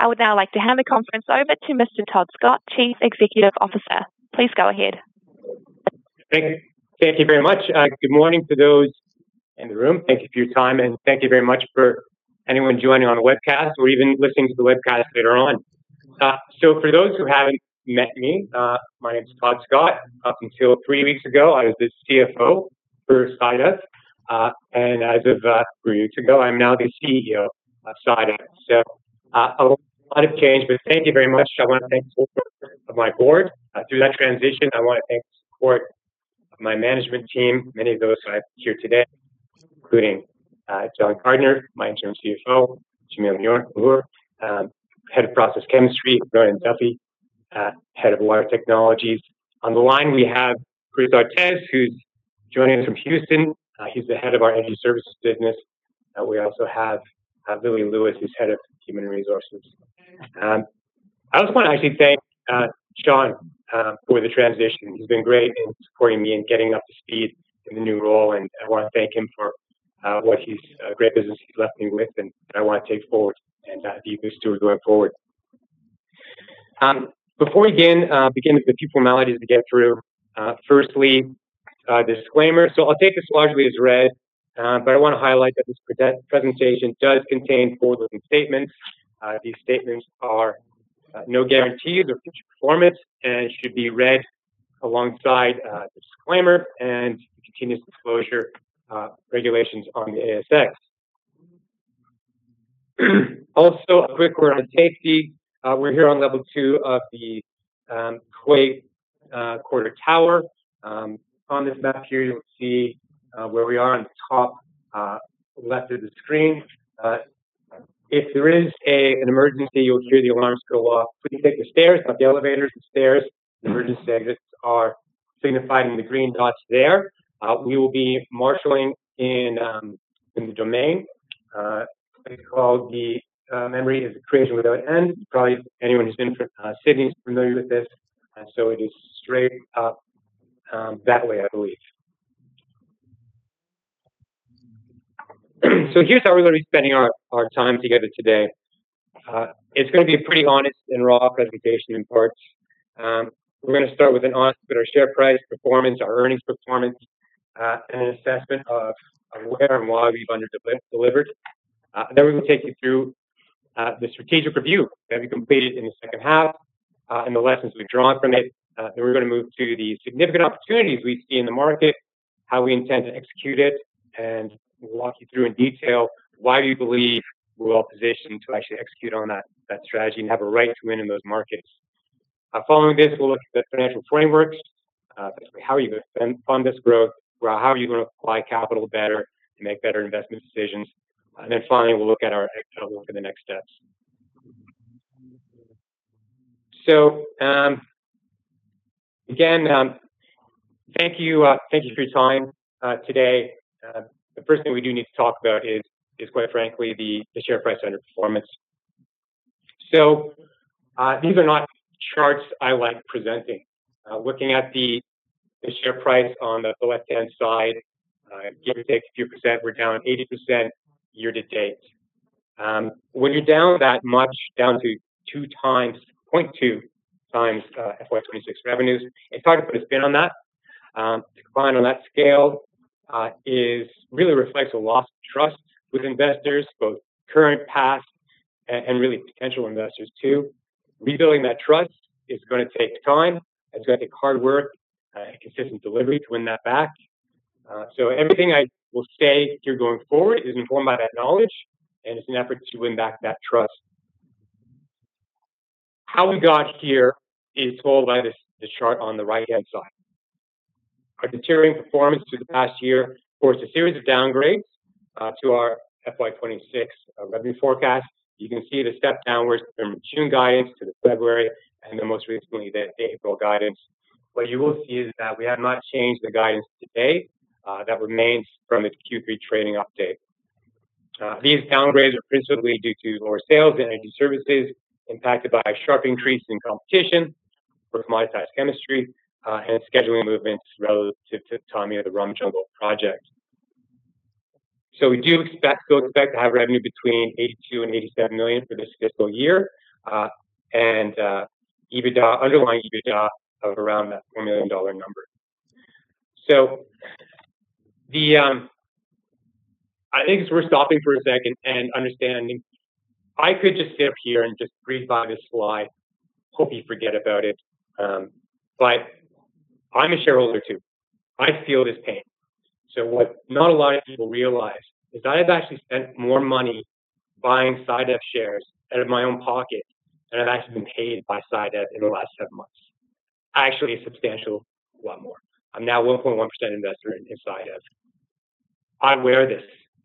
I would now like to hand the conference over to Mr. Todd Scott, Chief Executive Officer. Please go ahead. Thank you very much. Good morning to those in the room. Thank you for your time, and thank you very much for anyone joining on the webcast or even listening to the webcast later on. For those who haven't met me, my name is Todd Scott. Up until three weeks ago, I was the CFO for SciDev. As of three weeks ago, I'm now the CEO of SciDev. A lot has changed, but thank you very much. I want to thank the support of my board through that transition. I want to thank the support of my management team, many of those who I have here today, including John Gardiner, my Interim Chief Financial Officer, Jamiel Muhor, Head of Process Chemistry, Ronan Duffy, Head of Water Technologies. On the line, we have Chris Dartez, who's joining us from Houston. He's the Head of our Energy Services business. We also have Ollie Kelly, who's Head of People & Culture. I just want to actually thank John for the transition. He's been great in supporting me in getting up to speed in the new role, and I want to thank him for what great business he's left me with, and that I want to take forward and be pushed through going forward. Before we begin, a few formalities to get through. Firstly, disclaimer. I'll take this largely as read, but I want to highlight that this presentation does contain forward-looking statements. These statements are no guarantees of future performance and should be read alongside the disclaimer and the continuous disclosure regulations on the ASX. Also, a quick word on safety. We're here on level 2 of the Quay Quarter Tower. On this map here, you'll see where we are on the top left of the screen. If there is an emergency, you'll hear the alarms go off. Please take the stairs, not the elevators, the stairs. Emergency exits are signified in the green dots there. We will be marshaling in the Domain. It's called the Memory of a Creation Without End. Probably anyone who's been to Sydney is familiar with this. It is straight up that way, I believe. Here's how we're going to be spending our time together today. It's going to be a pretty honest and raw presentation in parts. We're going to start with an honest look at our share price performance, our earnings performance, and an assessment of where and why we've under-delivered. We will take you through the strategic review that we completed in the second half and the lessons we've drawn from it. We're going to move to the significant opportunities we see in the market, how we intend to execute it, and we'll walk you through in detail why we believe we're well-positioned to actually execute on that strategy and have a right to win in those markets. Following this, we'll look at the financial frameworks. Basically, how are you going to fund this growth? How are you going to apply capital better to make better investment decisions? Finally, we'll look at our outlook for the next steps. Again, thank you for your time today. The first thing we do need to talk about is, quite frankly, the share price underperformance. These are not charts I like presenting. Looking at the share price on the left-hand side, give or take a few percent, we're down 80% year to date. When you're down that much, down to 2 times, 0.2 times FY 2026 revenues, it's hard to put a spin on that. Decline on that scale really reflects a loss of trust with investors, both current, past, and really potential investors too. Rebuilding that trust is going to take time. It's going to take hard work and consistent delivery to win that back. Everything I will say here going forward is informed by that knowledge, and it's an effort to win back that trust. How we got here is told by this chart on the right-hand side. Our deteriorating performance through the past year forced a series of downgrades to our FY 2026 revenue forecast. You can see the step downwards from June guidance to the February, most recently, the April guidance. What you will see is that we have not changed the guidance to date. That remains from the Q3 trading update. These downgrades are principally due to lower sales in energy services impacted by a sharp increase in competition for commoditized chemistry and scheduling movements relative to the timing of the Rum Jungle project. We do still expect to have revenue between 82 million and 87 million for this fiscal year, and underlying EBITDA of around that 4 million dollar number. I think it's worth stopping for a second and understanding I could just sit up here and just read by this slide, hope you forget about it. I'm a shareholder too. I feel this pain. What not a lot of people realize is I have actually spent more money buying SciDev shares out of my own pocket than I've actually been paid by SciDev in the last seven months. Actually, a substantial lot more. I'm now a 1.1% investor in SciDev. I wear this,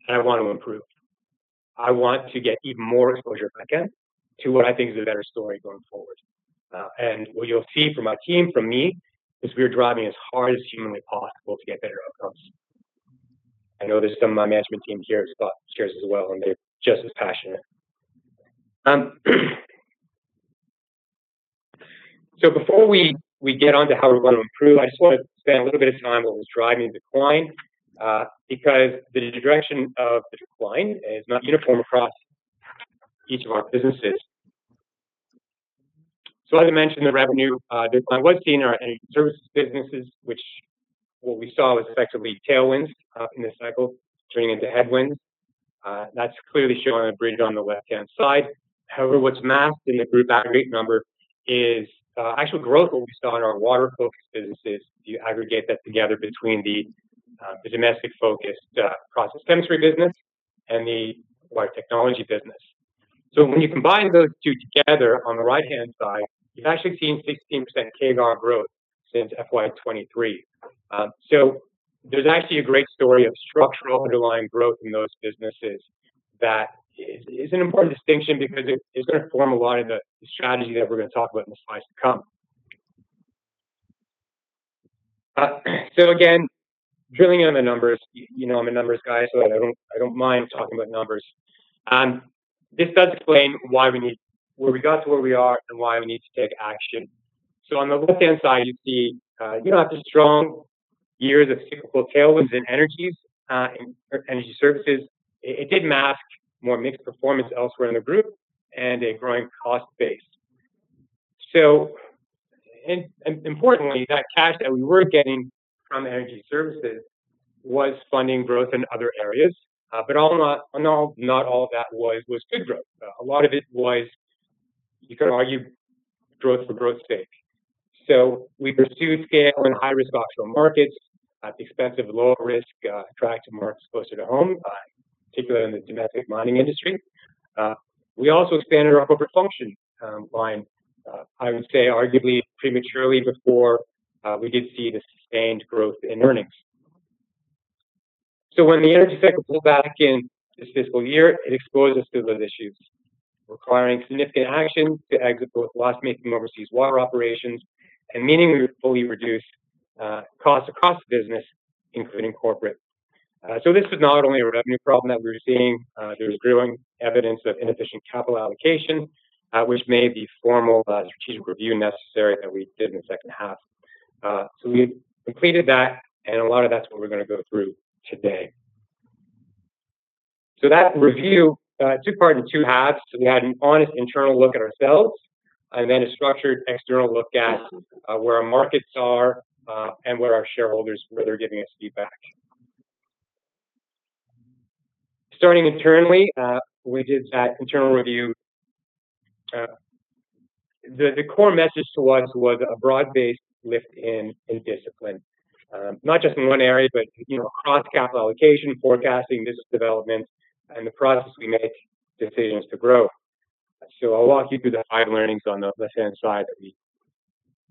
I want to improve. I want to get even more exposure back in to what I think is a better story going forward. What you'll see from our team, from me, is we are driving as hard as humanly possible to get better outcomes. I know there's some of my management team here who's bought shares as well, and they're just as passionate. Before we get on to how we're going to improve, I just want to spend a little bit of time on what was driving the decline, because the direction of the decline is not uniform across each of our businesses. As I mentioned, the revenue decline was seen in our energy services businesses, which what we saw was effectively tailwinds in this cycle turning into headwinds. That's clearly shown on the bridge on the left-hand side. What's masked in the group aggregate number is actual growth that we saw in our water-focused businesses, if you aggregate that together between the domestic-focused process chemistry business and the water technology business. When you combine those two together on the right-hand side, you've actually seen 16% CAGR growth since FY 2023. There's actually a great story of structural underlying growth in those businesses that is an important distinction because it is going to form a lot of the strategy that we're going to talk about in the slides to come. Again, drilling on the numbers. You know I'm a numbers guy, so I don't mind talking about numbers. This does explain where we got to where we are and why we need to take action. On the left-hand side, you see after strong years of cyclical tailwinds in Energy Services, it did mask more mixed performance elsewhere in the group and a growing cost base. Importantly, that cash that we were getting from Energy Services was funding growth in other areas. Not all of that was good growth. A lot of it was, you could argue, growth for growth's sake. We pursued scale in high-risk offshore markets at the expense of lower-risk, attractive markets closer to home, particularly in the domestic mining industry. We also expanded our corporate function line, I would say arguably prematurely before we did see the sustained growth in earnings. When the energy cycle pulled back in this fiscal year, it exposed us to those issues, requiring significant action to exit both loss-making overseas water operations and meaning we would fully reduce costs across the business, including corporate. This was not only a revenue problem that we were seeing. There was growing evidence of inefficient capital allocation, which made the formal strategic review necessary that we did in the second half. We completed that, and a lot of that's what we're going to go through today. That review took part in two halves. We had an honest internal look at ourselves and then a structured external look at where our markets are and where our shareholders, where they're giving us feedback. Starting internally, we did that internal review. The core message to us was a broad-based lift in discipline. Not just in one area, but across capital allocation, forecasting, business development, and the process we make decisions to grow. I'll walk you through the five learnings on the left-hand side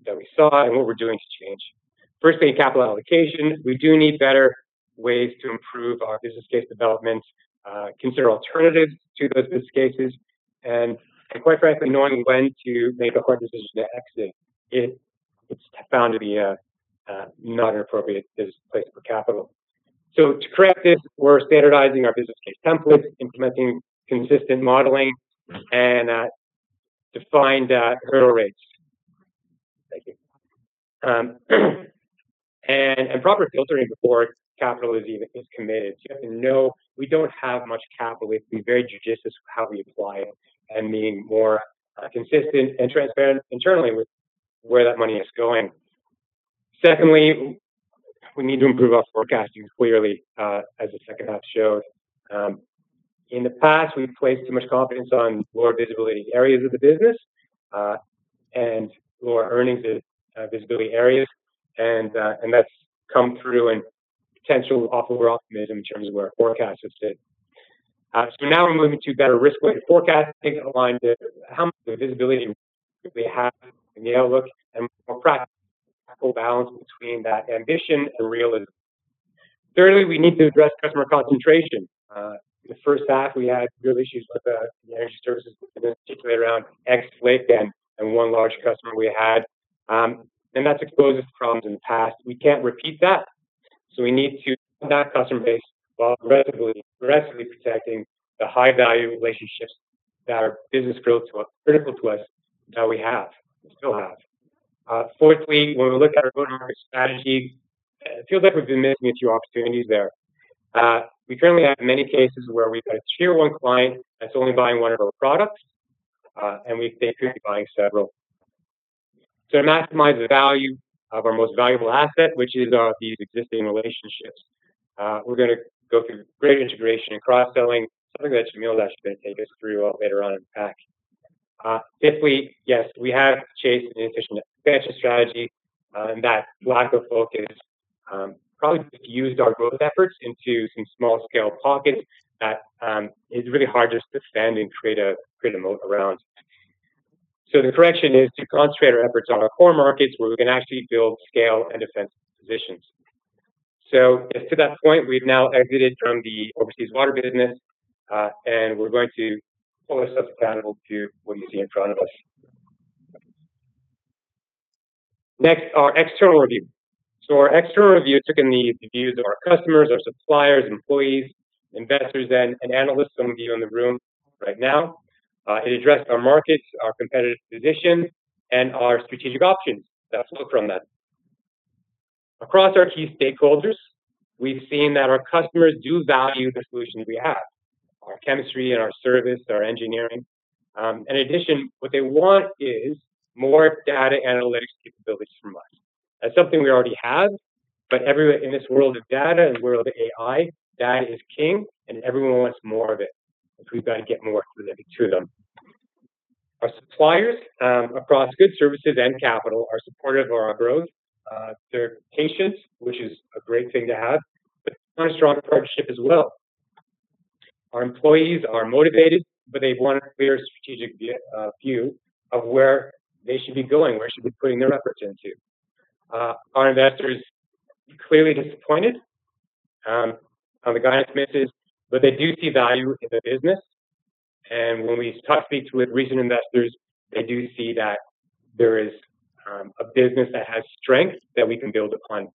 that we saw and what we're doing to change. Firstly, capital allocation. We do need better ways to improve our business case development, consider alternatives to those business cases, and quite frankly, knowing when to make a hard decision to exit if it's found to be a not an appropriate business place for capital. To correct this, we're standardizing our business case templates, implementing consistent modeling, and defined hurdle rates. Thank you. Proper filtering before capital is committed. You have to know we don't have much capital. We have to be very judicious with how we apply it and being more consistent and transparent internally with where that money is going. Secondly, we need to improve our forecasting clearly, as the second half showed. In the past, we've placed too much confidence on lower visibility areas of the business, and lower earnings visibility areas, and that's come through in potential overoptimism in terms of where our forecast has sit. Now we're moving to better risk-weighted forecasting that aligns with how much the visibility we have in the outlook and more practical balance between that ambition and realism. Thirdly, we need to address customer concentration. In the first half, we had real issues with the energy services business situated around Exlake and one large customer we had, and that's exposed problems in the past. We can't repeat that, so we need to build that customer base while aggressively protecting the high-value relationships that are business critical to us that we still have. Fourthly, when we look at our go-to-market strategy, it feels like we've been missing a few opportunities there. We currently have many cases where we've got a Tier 1 client that's only buying one of our products, and we think they could be buying several. To maximize the value of our most valuable asset, which is these existing relationships, we're going to go through greater integration and cross-selling, something that Jamiel is actually going to take us through later on in the pack. Fifthly, yes, we have chased an inefficient expansion strategy, and that lack of focus probably diffused our growth efforts into some small-scale pockets that is really hard to sustain and create a moat around. The correction is to concentrate our efforts on our core markets where we can actually build scale and defensive positions. To that point, we've now exited from the overseas water business, and we're going to hold ourselves accountable to what you see in front of us. Next, our external review. Our external review took in the views of our customers, our suppliers, employees, investors, and analysts. Some of you in the room right now. It addressed our markets, our competitive position, and our strategic options that flow from that. Across our key stakeholders, we've seen that our customers do value the solutions we have, our chemistry and our service, our engineering. In addition, what they want is more data analytics capabilities from us. That's something we already have, but everywhere in this world of data and world of AI, data is king, and everyone wants more of it. We've got to get more of it through them. Our suppliers across goods, services, and capital are supportive of our growth. They're patient, which is a great thing to have, but they want a strong partnership as well. Our employees are motivated, but they want a clear strategic view of where they should be going, where they should be putting their efforts into. Our investors, clearly disappointed on the guidance misses, but they do see value in the business. When we speak to recent investors, they do see that there is a business that has strength that we can build upon.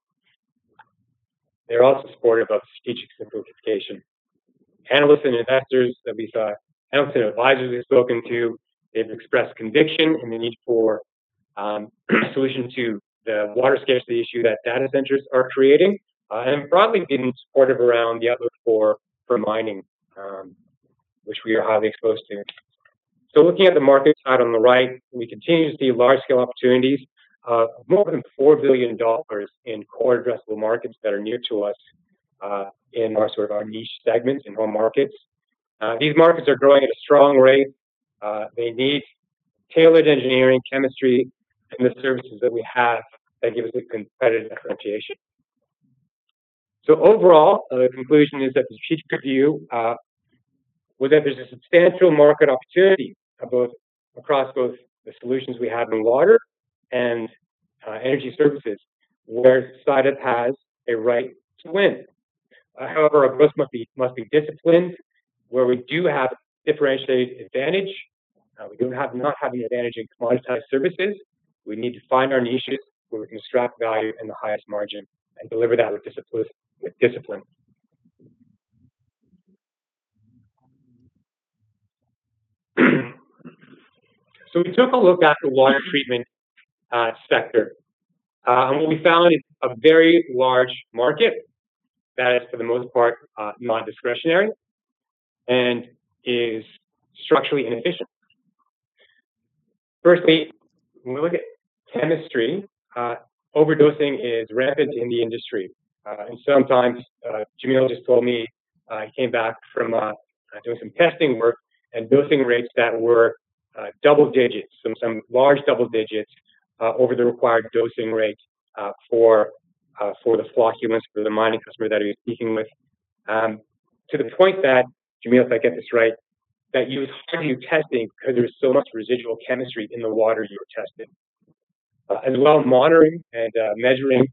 They're also supportive of strategic simplification. Analysts and investors that we saw, analysts and advisors we've spoken to have expressed conviction in the need for solutions to the water scarcity issue that data centers are creating. Broadly been supportive around the outlook for mining, which we are highly exposed to. Looking at the market side on the right, we continue to see large-scale opportunities of more than 4 billion dollars in core addressable markets that are near to us in our niche segments, in home markets. These markets are growing at a strong rate. They need tailored engineering, chemistry, and the services that we have that give us a competitive differentiation. Overall, the conclusion is that the strategic review was that there is a substantial market opportunity across both the solutions we have in water and energy services where SciDev has a right to win. However, our growth must be disciplined where we do have differentiated advantage. We do not have any advantage in commoditized services. We need to find our niches where we can extract value in the highest margin and deliver that with discipline. We took a look at the water treatment sector. What we found is a very large market that is, for the most part, non-discretionary and is structurally inefficient. Firstly, when we look at chemistry, overdosing is rampant in the industry. Sometimes, Jamiel just told me he came back from doing some testing work and dosing rates that were double digits, some large double digits over the required dosing rate for the flocculants, for the mining customer that he was speaking with. To the point that, Jamiel, if I get this right, that you had to stop your testing because there's so much residual chemistry in the water you were testing. Monitoring and measuring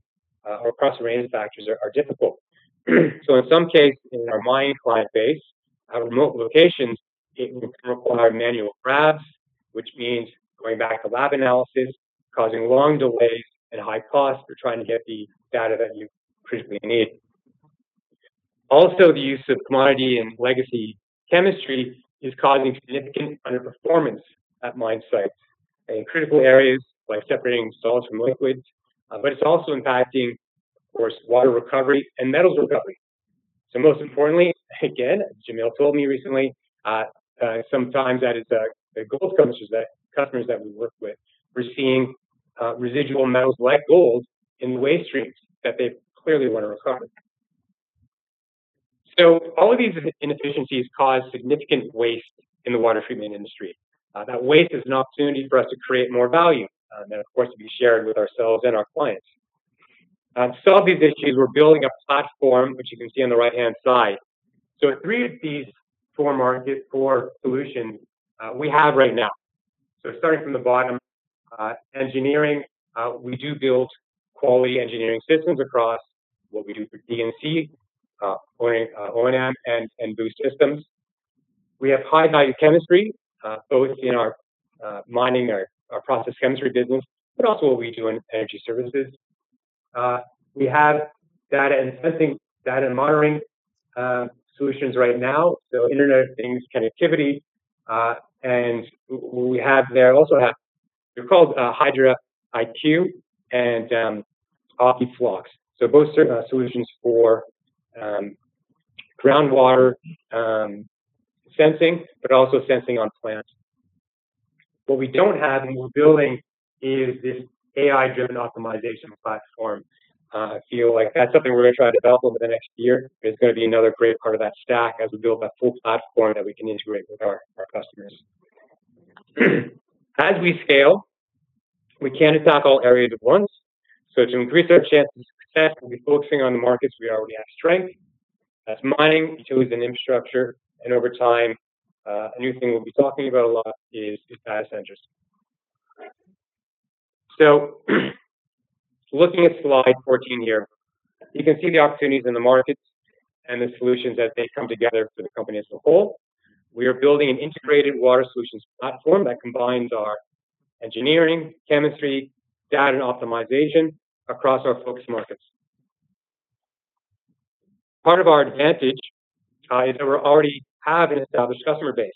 across a range of factors are difficult. In some cases, in our mining client base, at remote locations, it can require manual grabs, which means going back to lab analysis, causing long delays and high costs for trying to get the data that you critically need. Also, the use of commodity and legacy chemistry is causing significant underperformance at mine sites in critical areas like separating solids from liquids. It's also impacting, of course, water recovery and metals recovery. Most importantly, again, Jamiel told me recently, sometimes at the gold customers that we work with, we're seeing residual metals like gold in the waste streams that they clearly want to recover. All of these inefficiencies cause significant waste in the water treatment industry. That waste is an opportunity for us to create more value that, of course, will be shared with ourselves and our clients. To solve these issues, we're building a platform, which you can see on the right-hand side. Three of these four solutions we have right now. Starting from the bottom, engineering, we do build quality engineering systems across what we do for D&C, O&M, and boost systems. We have high-value chemistry both in our mining, our process chemistry business, but also what we do in energy services. We have data and sensing, data monitoring solutions right now. Internet of Things connectivity and what we have there. They're called HydraIQ and OptiFlox. Both solutions for groundwater sensing, but also sensing on plant. What we don't have and we're building is this AI-driven optimization platform. I feel like that's something we're going to try to develop over the next year. It's going to be another great part of that stack as we build that full platform that we can integrate with our customers. As we scale, we can't attack all areas at once. To increase our chance of success, we'll be focusing on the markets we already have strength. That's mining, utilities, and infrastructure. Over time, a new thing we'll be talking about a lot is data centers. Looking at slide 14 here, you can see the opportunities in the markets and the solutions as they come together for the company as a whole. We are building an integrated water solutions platform that combines our engineering, chemistry, data, and optimization across our focus markets. Part of our advantage is that we already have an established customer base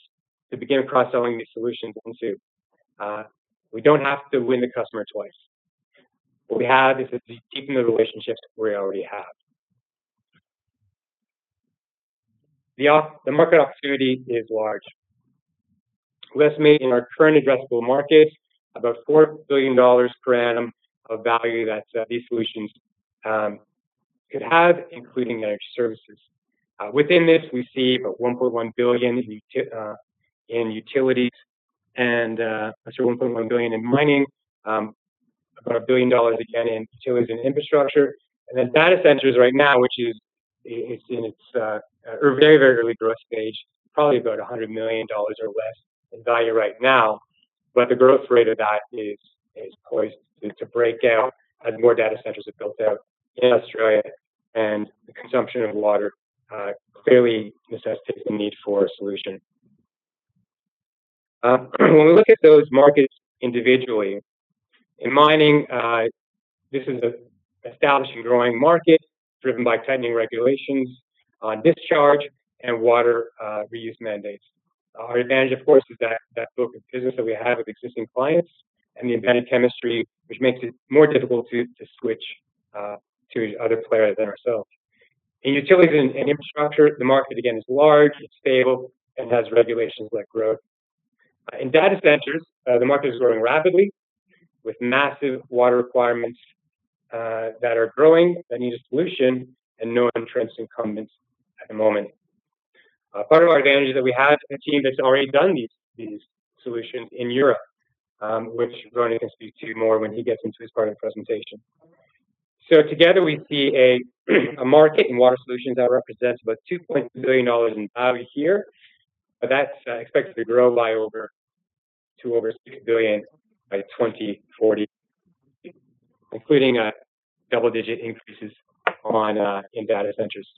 to begin cross-selling these solutions into. We don't have to win the customer twice. What we have is deepening the relationships we already have. The market opportunity is large. We estimate in our current addressable markets about 4 billion dollars per annum of value that these solutions could have, including managed services. Within this, we see about 1.1 billion in mining, about 1 billion dollars again in utilities and infrastructure. Then data centers right now, which is in its very early growth stage, probably about 100 million dollars or less in value right now. The growth rate of that is poised to break out as more data centers are built out in Australia, and the consumption of water clearly necessitates the need for a solution. When we look at those markets individually, in mining, this is an established and growing market driven by tightening regulations on discharge and water reuse mandates. Our advantage, of course, is that book of business that we have with existing clients and the embedded chemistry, which makes it more difficult to switch to other players than ourselves. In utilities and infrastructure, the market again is large, it's stable, and has regulations like growth. In data centers, the market is growing rapidly with massive water requirements that are growing that need a solution and no entrenched incumbents at the moment. Part of our advantage is that we have a team that's already done these solutions in Europe, which Ronan can speak to more when he gets into his part of the presentation. Together, we see a market in water solutions that represents about 2.2 billion dollars in value here. That's expected to grow to over 6 billion by 2040, including double-digit increases in data centers.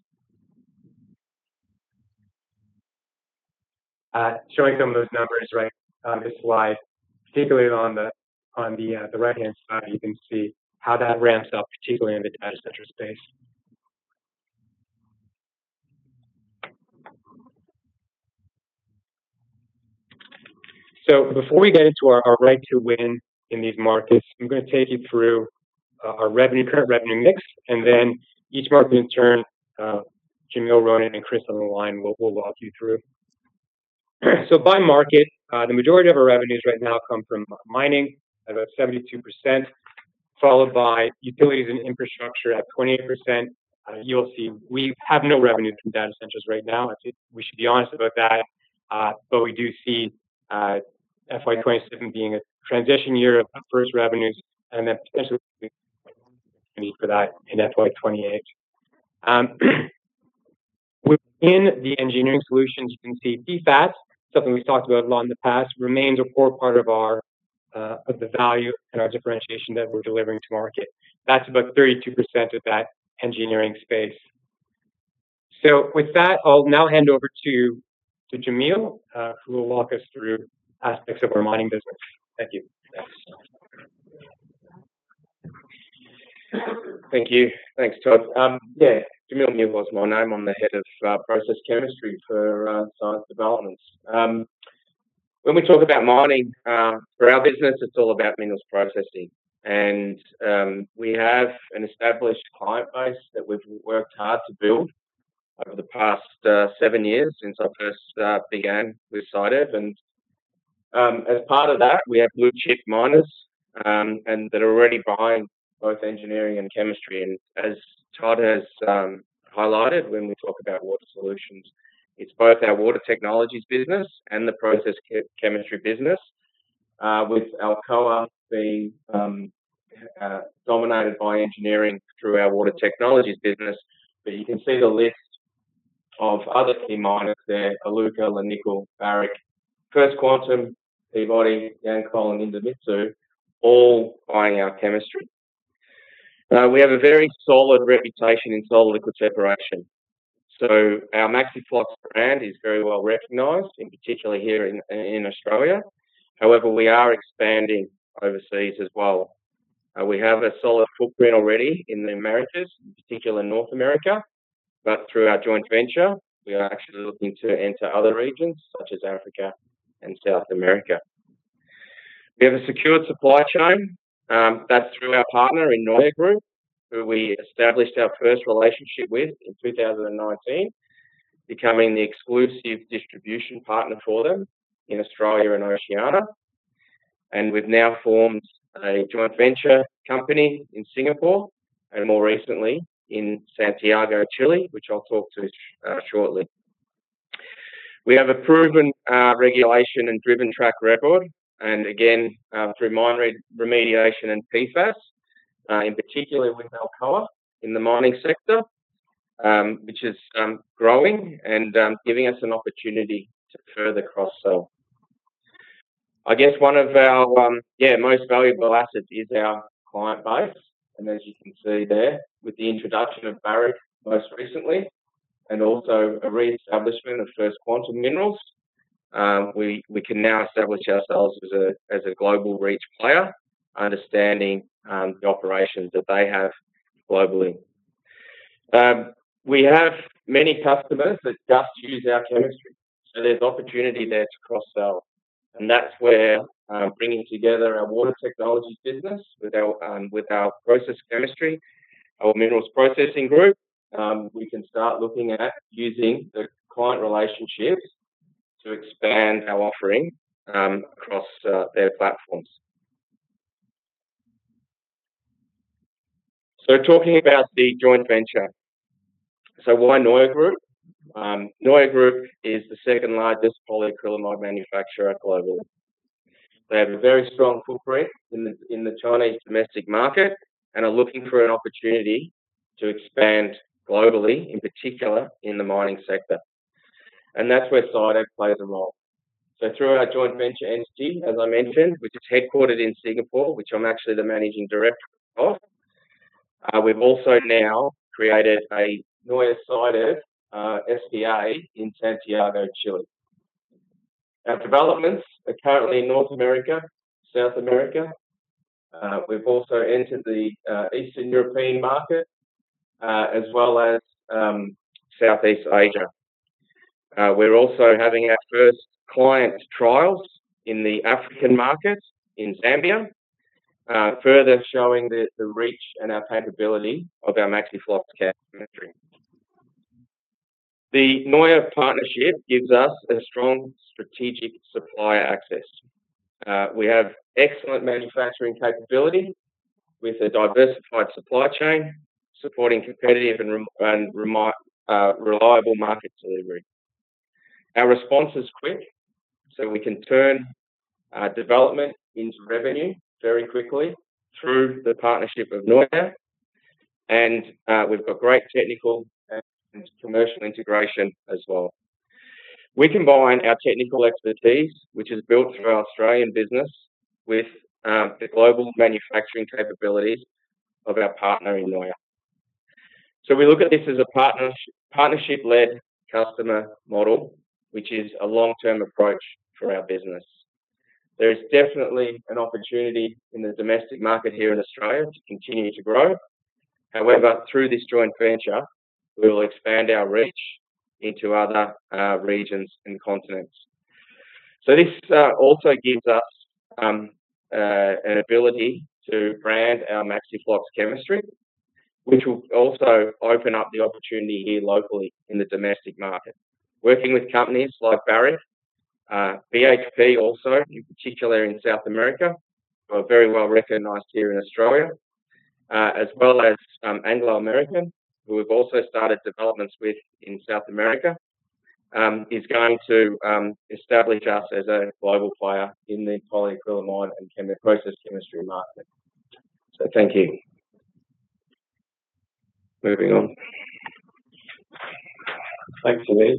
Showing some of those numbers right on this slide, particularly on the right-hand side, you can see how that ramps up, particularly in the data center space. Before we get into our right to win in these markets, I'm going to take you through our current revenue mix, and then each market in turn, Jamiel, Ronan, and Chris on the line will walk you through. By market, the majority of our revenues right now come from mining at about 72%, followed by utilities and infrastructure at 28%. You'll see we have no revenue from data centers right now. We should be honest about that. We do see FY 2027 being a transition year of first revenues and then potentially for that in FY 2028. Within the engineering solutions, you can see PFAS, something we've talked about a lot in the past, remains a core part of the value and our differentiation that we're delivering to market. That's about 32% of that engineering space. With that, I'll now hand over to Jamiel, who will walk us through aspects of our mining business. Thank you. Thank you. Thanks, Todd. Jamiel Muhor was my name. I'm the Head of Process Chemistry for SciDev Ltd. When we talk about mining, for our business, it's all about minerals processing. We have an established client base that we've worked hard to build over the past seven years since I first began with SciDev. As part of that, we have blue-chip miners that are already buying both engineering and chemistry. As Todd has highlighted when we talk about water solutions, it's both our water technologies business and the process chemistry business, with Alcoa being dominated by engineering through our water technologies business. You can see the list of other key miners there, Iluka, Largo, Barrick, First Quantum, Peabody, Yancoal, and Idemitsu, all buying our chemistry. We have a very solid reputation in solid-liquid separation Our MaxiFlox brand is very well-recognized, in particular here in Australia. However, we are expanding overseas as well. We have a solid footprint already in the Americas, in particular North America. Through our joint venture, we are actually looking to enter other regions such as Africa and South America. We have a secured supply chain. That's through our partner in Nuoer Group, who we established our first relationship with in 2019, becoming the exclusive distribution partner for them in Australia and Oceania. We've now formed a joint venture company in Singapore and more recently in Santiago, Chile, which I'll talk to shortly. We have a proven regulation and driven track record, and again, through mine remediation and PFAS, in particular with Alcoa in the mining sector, which is growing and giving us an opportunity to further cross-sell. I guess one of our most valuable assets is our client base. As you can see there, with the introduction of Barrick most recently, and also a reestablishment of First Quantum Minerals, we can now establish ourselves as a global reach player, understanding the operations that they have globally. We have many customers that just use our chemistry, so there's opportunity there to cross-sell. That's where bringing together our water technologies business with our process chemistry, our minerals processing group, we can start looking at using the client relationships to expand our offering across their platforms. Talking about the joint venture. Why Nuoer Group? Nuoer Group is the second-largest polyacrylamide manufacturer globally. They have a very strong footprint in the Chinese domestic market and are looking for an opportunity to expand globally, in particular in the mining sector. That's where SciDev plays a role. Through our joint venture entity, as I mentioned, which is headquartered in Singapore, which I'm actually the managing director of, we've also now created a Nuoer-SciDev SDE in Santiago, Chile. Our developments are currently in North America, South America. We've also entered the Eastern European market, as well as Southeast Asia. We're also having our first client trials in the African market in Zambia, further showing the reach and our capability of our MaxiFlox chemistry. The Nuoer partnership gives us a strong strategic supplier access. We have excellent manufacturing capability with a diversified supply chain supporting competitive and reliable market delivery. Our response is quick, so we can turn our development into revenue very quickly through the partnership of Nuoer. And we've got great technical and commercial integration as well. We combine our technical expertise, which is built through our Australian business, with the global manufacturing capabilities of our partner in Nuoer. We look at this as a partnership-led customer model, which is a long-term approach for our business. There is definitely an opportunity in the domestic market here in Australia to continue to grow. However, through this joint venture, we will expand our reach into other regions and continents. This also gives us an ability to brand our MaxiFlox chemistry, which will also open up the opportunity here locally in the domestic market. Working with companies like Barrick, BHP also, in particular in South America, who are very well-recognized here in Australia, as well as Anglo American, who we've also started developments with in South America, is going to establish us as a global player in the polyacrylamide and process chemistry market. Thank you. Moving on. Thanks, Jamiel.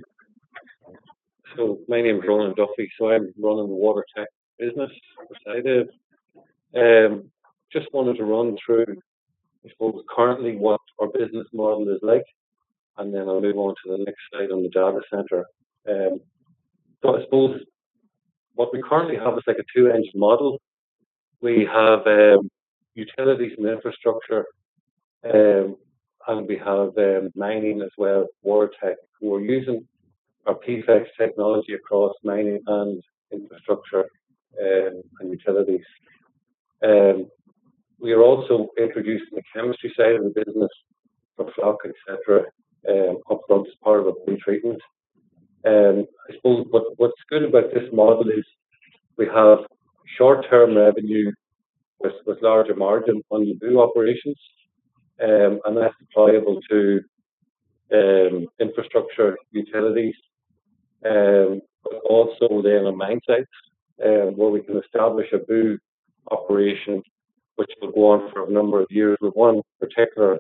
My name is Ronan Duffy. I'm running the Water Tech business for SciDev. Just wanted to run through, I suppose, currently what our business model is like, and then I'll move on to the next slide on the data center. I suppose what we currently have is like a two-edged model. We have utilities and infrastructure, and we have mining as well, Water Tech. We're using our PFAS technology across mining and infrastructure and utilities. We are also introducing the chemistry side of the business for floc, et cetera, upfront as part of a pre-treatment. I suppose what's good about this model is we have short-term revenue with larger margin on the BOO operations, and that's applicable to infrastructure, utilities, but also then on mine sites, where we can establish a BOO operation, which will go on for a number of years. We've one particular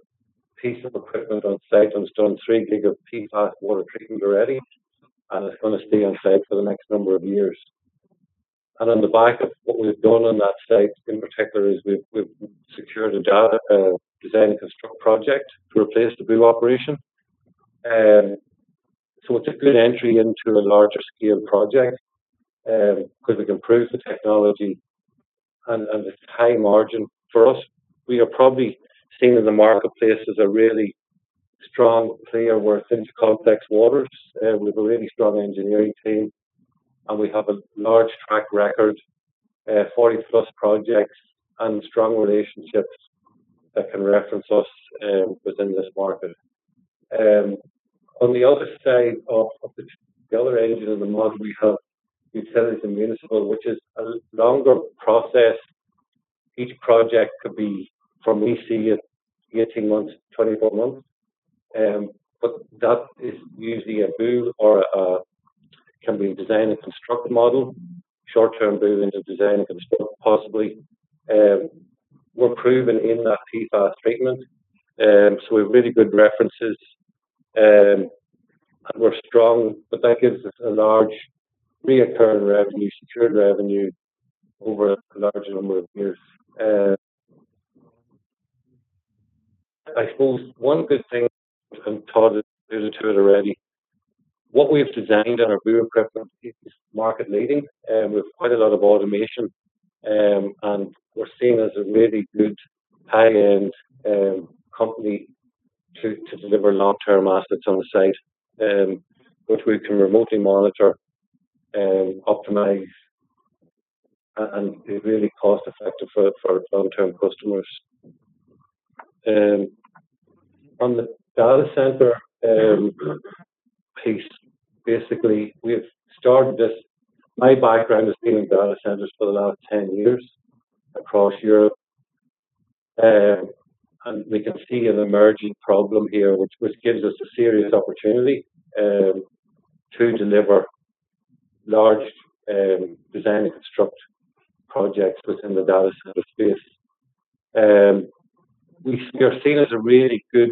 piece of equipment on site that's done 3 gig of PFAS water treatment already, and it's going to stay on site for the next number of years. And on the back of what we've done on that site, in particular, is we've secured a data design and construct project to replace the BOO operation. It's a good entry into a larger scale project, because it improves the technology and it's high margin for us. We are probably seen in the marketplace as a really strong player. We're since Complex Waters. We have a really strong engineering team, and we have a large track record, 40+ projects and strong relationships that can reference us within this market. On the other side of the other engine of the model, we have utilities and municipal, which is a longer process. Each project could be from we see it 18 months, 24 months. That is usually a BOO or can be design and construct model. Short-term BOO into design and construct possibly. We're proven in that PFAS treatment, so we have really good references. We're strong, but that gives us a large reoccurring revenue, secured revenue over a large number of years. I suppose one good thing, and Todd alluded to it already, what we have designed on our BOO equipment is market leading, with quite a lot of automation. We're seen as a really good high-end company to deliver long-term assets on the site, which we can remotely monitor, optimize, and is really cost-effective for long-term customers. On the data center piece, basically, we've started this. My background has been in data centers for the last 10 years across Europe. We can see an emerging problem here, which gives us a serious opportunity, to deliver large design and construct projects within the data center space. We are seen as a really good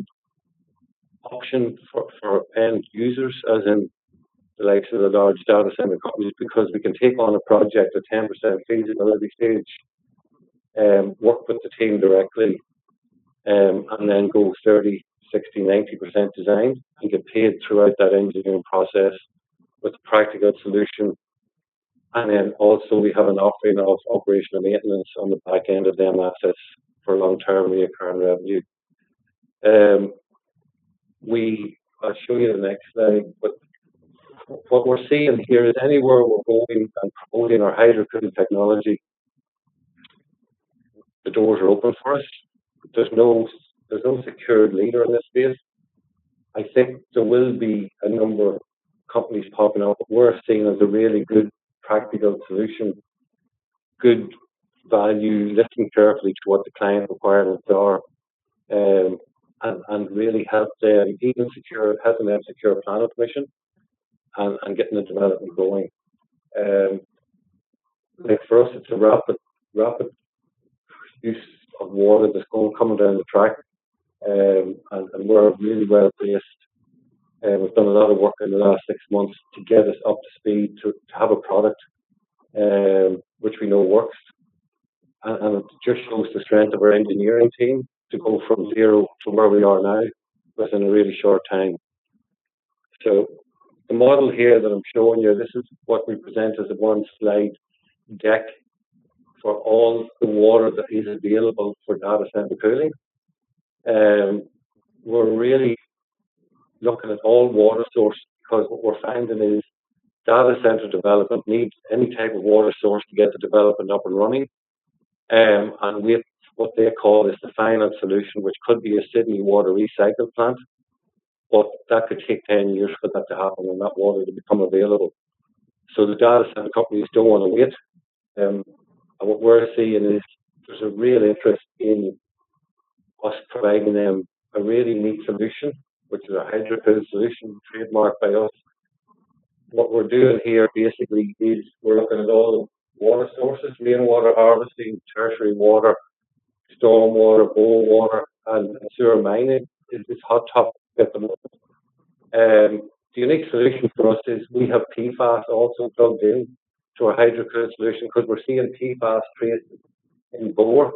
option for end users, as in the likes of the large data center companies, because we can take on a project at 10% feasibility stage, work with the team directly, and then go 30%, 60%, 90% design and get paid throughout that engineering process with a practical solution. Then also we have an offering of operation and maintenance on the back end of them assets for long-term reoccurring revenue. I'll show you the next slide, but what we're seeing here is anywhere we're going and promoting our HydroCool technology, the doors are open for us. There's no secured leader in this space. I think there will be a number of companies popping up, we're seen as a really good practical solution, good value, listening carefully to what the client requirements are, and really help them even secure, helping them secure planning permission and getting the development going. Like for us, it's a rapid use of water that's coming down the track, and we're really well-placed. We've done a lot of work in the last six months to get us up to speed to have a product, which we know works. It just shows the strength of our engineering team to go from zero to where we are now within a really short time. The model here that I'm showing you, this is what we present as a one-slide deck for all the water that is available for data center cooling. We're really looking at all water sources because what we're finding is data center development needs any type of water source to get the development up and running, and with what they call is the final solution, which could be a Sydney Water recycle plant, that could take 10 years for that to happen and that water to become available. The data center companies don't want to wait. What we're seeing is there's a real interest in us providing them a really neat solution, which is a HydroCool solution trademarked by us. What we're doing here basically is we're looking at all water sources, rainwater harvesting, tertiary water, stormwater, bore water, and sewer mining. It's this hot tub at the moment. The unique solution for us is we have PFAS also plugged in to our HydroCool solution because we're seeing PFAS traces in bore,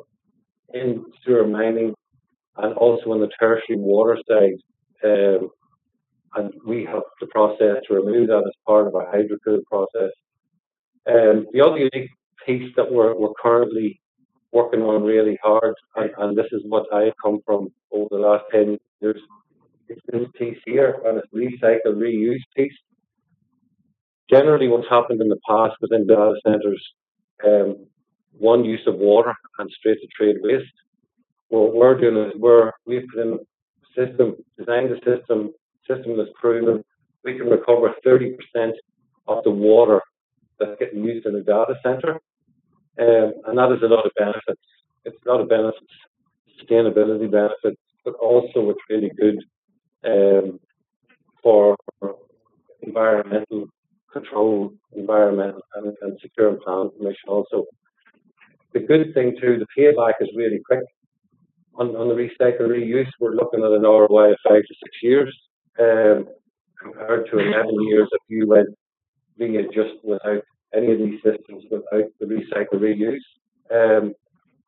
in sewer mining, and also on the tertiary water side. We have the process to remove that as part of our HydroCool process. The other unique piece that we're currently working on really hard, and this is what I come from over the last 10 years, is this piece here, and it's recycle, reuse piece. Generally, what's happened in the past within data centers, one use of water and straight to trade waste. What we're doing is we've put in a system, designed a system that's proven we can recover 30% of the water that's getting used in a data center, and that is a lot of benefits. It's a lot of benefits, sustainability benefits, also it's really good for environmental control, environmental and secure and planning permission also. The good thing, too, the payback is really quick. On the recycle, reuse, we're looking at an ROI of five to six years, compared to 11 years if you went doing it just without any of these systems, without the recycle, reuse.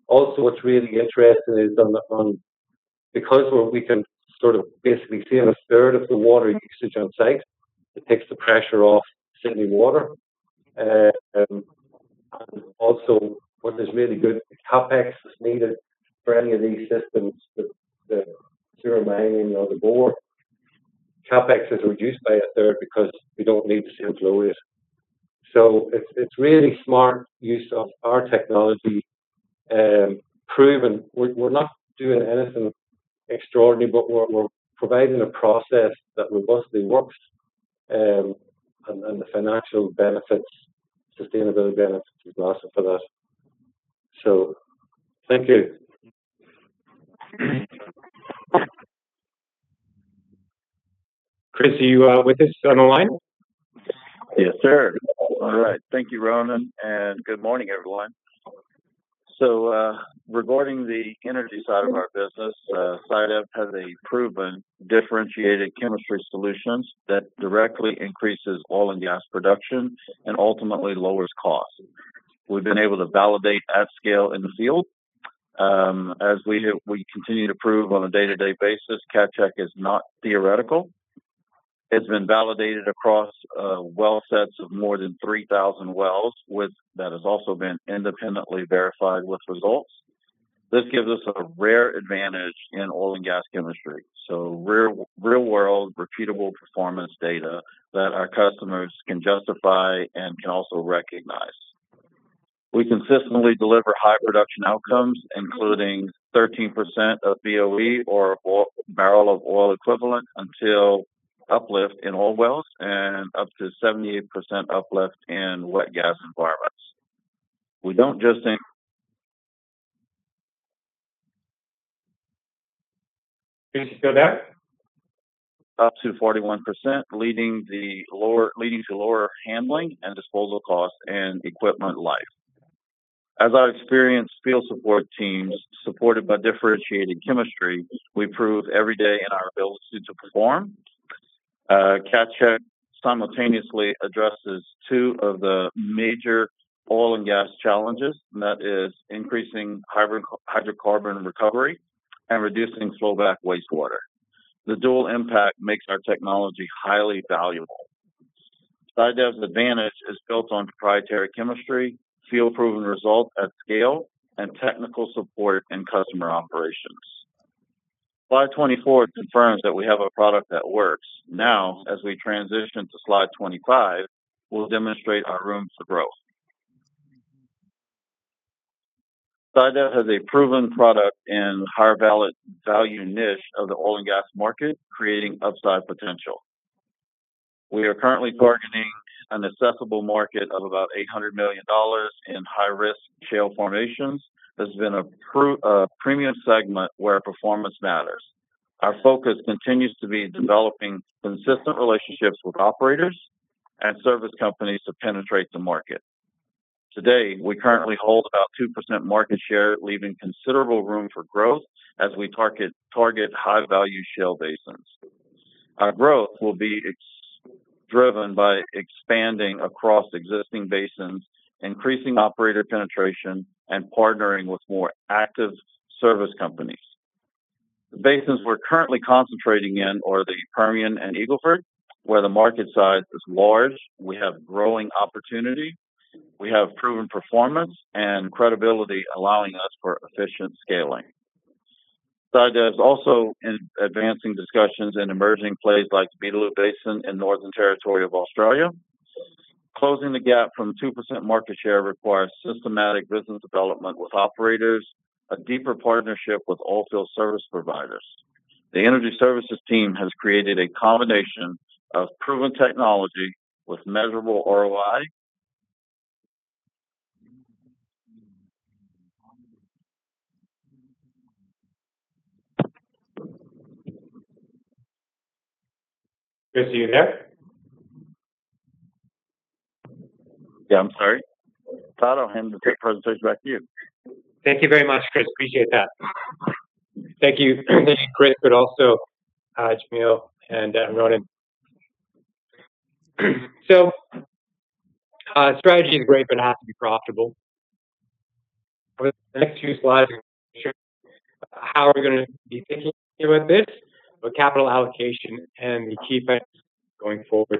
Also, what's really interesting is because we can sort of basically save a third of the water usage on site, it takes the pressure off Sydney Water. What is really good, the CapEx that's needed for any of these systems, the sewer mining or the bore, CapEx is reduced by a third because we don't need to employ it. It's really smart use of our technology, proven. We're not doing anything extraordinary, we're providing a process that robustly works, the financial benefits, sustainability benefits is massive for that. Thank you. Chris, are you with us on the line? Yes, sir. All right. Thank you, Ronan, and good morning, everyone. Regarding the energy side of our business, SciDev has a proven differentiated chemistry solutions that directly increases oil and gas production and ultimately lowers costs. We've been able to validate at scale in the field. As we continue to prove on a day-to-day basis, CatChek is not theoretical. It's been validated across well sets of more than 3,000 wells, that has also been independently verified with results. This gives us a rare advantage in oil and gas chemistry. Real-world repeatable performance data that our customers can justify and can also recognize. We consistently deliver high production outcomes, including 13% of BOE, or barrel of oil equivalent, until uplift in oil wells and up to 78% uplift in wet gas environments. We don't just think- Chris, go back. Up to 41%, leading to lower handling and disposal costs and equipment life. As our experienced field support teams supported by differentiated chemistry, we prove every day in our ability to perform. CatChek simultaneously addresses two of the major oil and gas challenges, that is increasing hydrocarbon recovery and reducing flowback wastewater. The dual impact makes our technology highly valuable. SciDev's advantage is built on proprietary chemistry, field-proven result at scale, and technical support in customer operations. Slide 24 confirms that we have a product that works. As we transition to slide 25, we'll demonstrate our rooms to growth. SciDev has a proven product in high-value niche of the oil and gas market, creating upside potential. We are currently targeting an accessible market of about 800 million dollars in high-risk shale formations. This has been a premium segment where performance matters. Our focus continues to be developing consistent relationships with operators and service companies to penetrate the market. Today, we currently hold about 2% market share, leaving considerable room for growth as we target high-value shale basins. Our growth will be driven by expanding across existing basins, increasing operator penetration, and partnering with more active service companies. The basins we're currently concentrating in are the Permian and Eagle Ford, where the market size is large, we have growing opportunity, we have proven performance and credibility allowing us for efficient scaling. SciDev is also in advancing discussions in emerging plays like the Beetaloo Basin in Northern Territory of Australia. Closing the gap from 2% market share requires systematic business development with operators, a deeper partnership with oilfield service providers. The energy services team has created a combination of proven technology with measurable ROI. Chris, are you there? Yeah, I'm sorry. Thought I'll hand the presentation back to you. Thank you very much, Chris. Appreciate that. Thank you, Chris, but also Jamiel and Ronan. Strategy is great, but it has to be profitable. Over the next few slides, how are we going to be thinking about this with capital allocation and the key benefits going forward?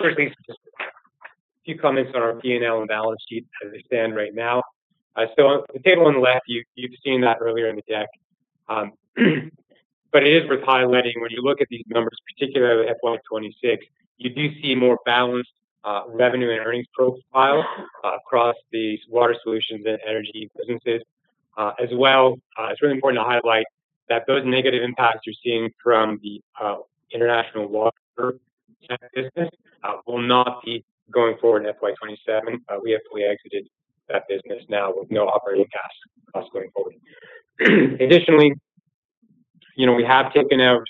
Firstly, just a few comments on our P&L and balance sheet as they stand right now. The table on the left, you've seen that earlier in the deck. It is worth highlighting when you look at these numbers, particularly FY 2026, you do see more balanced revenue and earnings profile across the water solutions and energy businesses. As well, it's really important to highlight that those negative impacts you're seeing from the international water business will not be going forward in FY 2027. We have fully exited that business now with no operating costs going forward. Additionally, we have taken out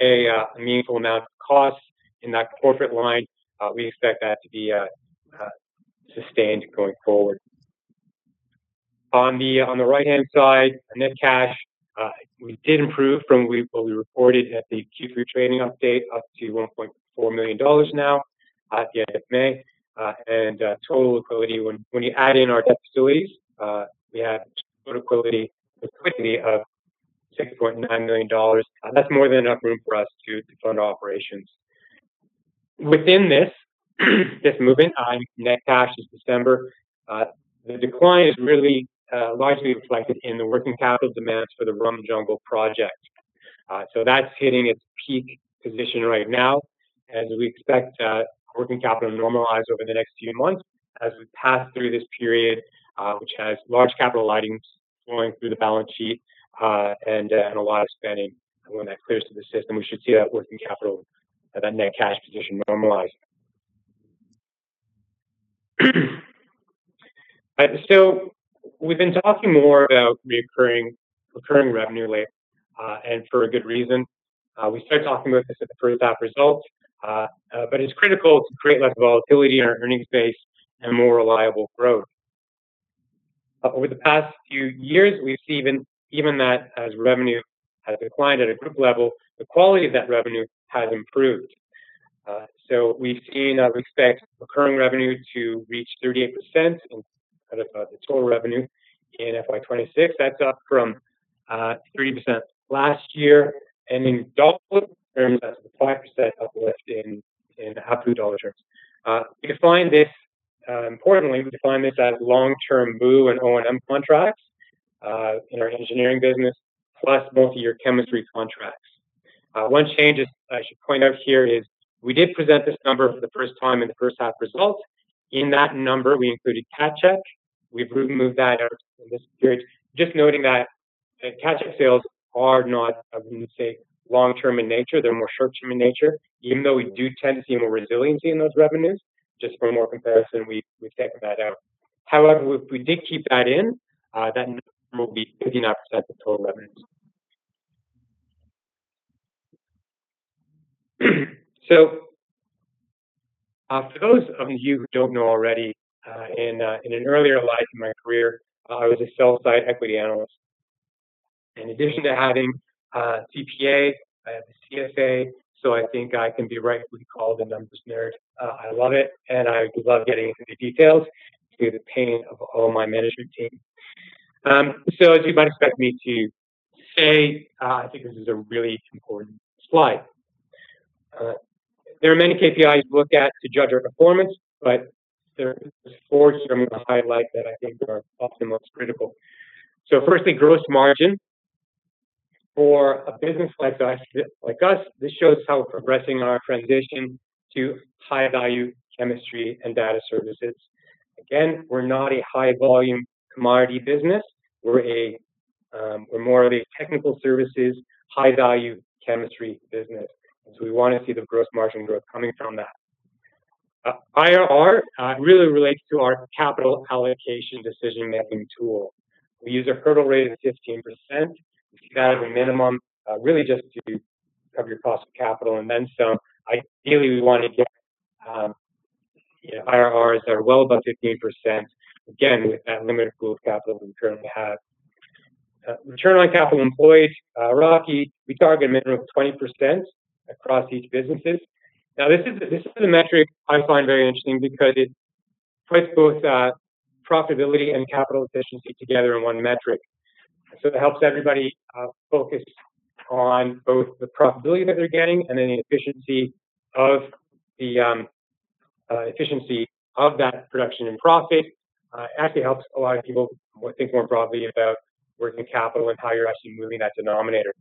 a meaningful amount of costs in that corporate line. We expect that to be sustained going forward. On the right-hand side, net cash, we did improve from what we reported at the Q3 trading update up to 1.4 million dollars now at the end of May. Total liquidity, when you add in our debt facilities, we have total liquidity of 6.9 million dollars. That's more than enough room for us to fund operations. Within this movement on net cash since December, the decline is really largely reflected in the working capital demands for the Rum Jungle project. That's hitting its peak position right now as we expect working capital to normalize over the next few months as we pass through this period, which has large capital outlays flowing through the balance sheet, and a lot of spending. When that clears through the system, we should see that working capital, that net cash position normalize. We've been talking more about recurring revenue lately, and for a good reason. We started talking about this at the first half results, it's critical to create less volatility in our earnings base and more reliable growth. Over the past few years, we've seen even that as revenue has declined at a group level, the quality of that revenue has improved. We've seen and expect recurring revenue to reach 38% of the total revenue in FY 2026. That's up from 30% last year. In dollar terms, that's a 5% uplift in absolute dollar terms. Importantly, we define this as long-term BOO and O&M contracts in our engineering business, plus multi-year chemistry contracts. One change I should point out here is we did present this number for the first half results. In that number, we included CatChek. We've removed that in this period, just noting that CatChek sales are not long-term in nature. They're more short-term in nature. Even though we do tend to see more resiliency in those revenues, just for more comparison, we've taken that out. However, if we did keep that in, that number will be 59% of total revenue. For those of you who don't know already, in an earlier life in my career, I was a sell-side equity analyst. In addition to having a CPA, I have a CFA, I think I can be rightfully called a numbers nerd. I love it, I love getting into the details to the pain of all my management team. As you might expect me to say, I think this is a really important slide. There are many KPIs to look at to judge our performance, but there are four that I'm going to highlight that I think are often most critical. Firstly, gross margin. For a business like us, this shows how we're progressing on our transition to high-value chemistry and data services. Again, we're not a high-volume commodity business. We're more of a technical services, high-value chemistry business. We want to see the gross margin growth coming from that. IRR really relates to our capital allocation decision-making tool. We use a hurdle rate of 15%. We see that as a minimum, really just to cover your cost of capital then some. Ideally, we want to get IRRs that are well above 15%, again, with that limited pool of capital that we currently have. Return on capital employed, ROCE, we target a minimum of 20% across each businesses. This is a metric I find very interesting because it puts both profitability and capital efficiency together in one metric. It helps everybody focus on both the profitability that they're getting the efficiency of that production and profit. Actually helps a lot of people think more broadly about working capital and how you're actually moving that denominator.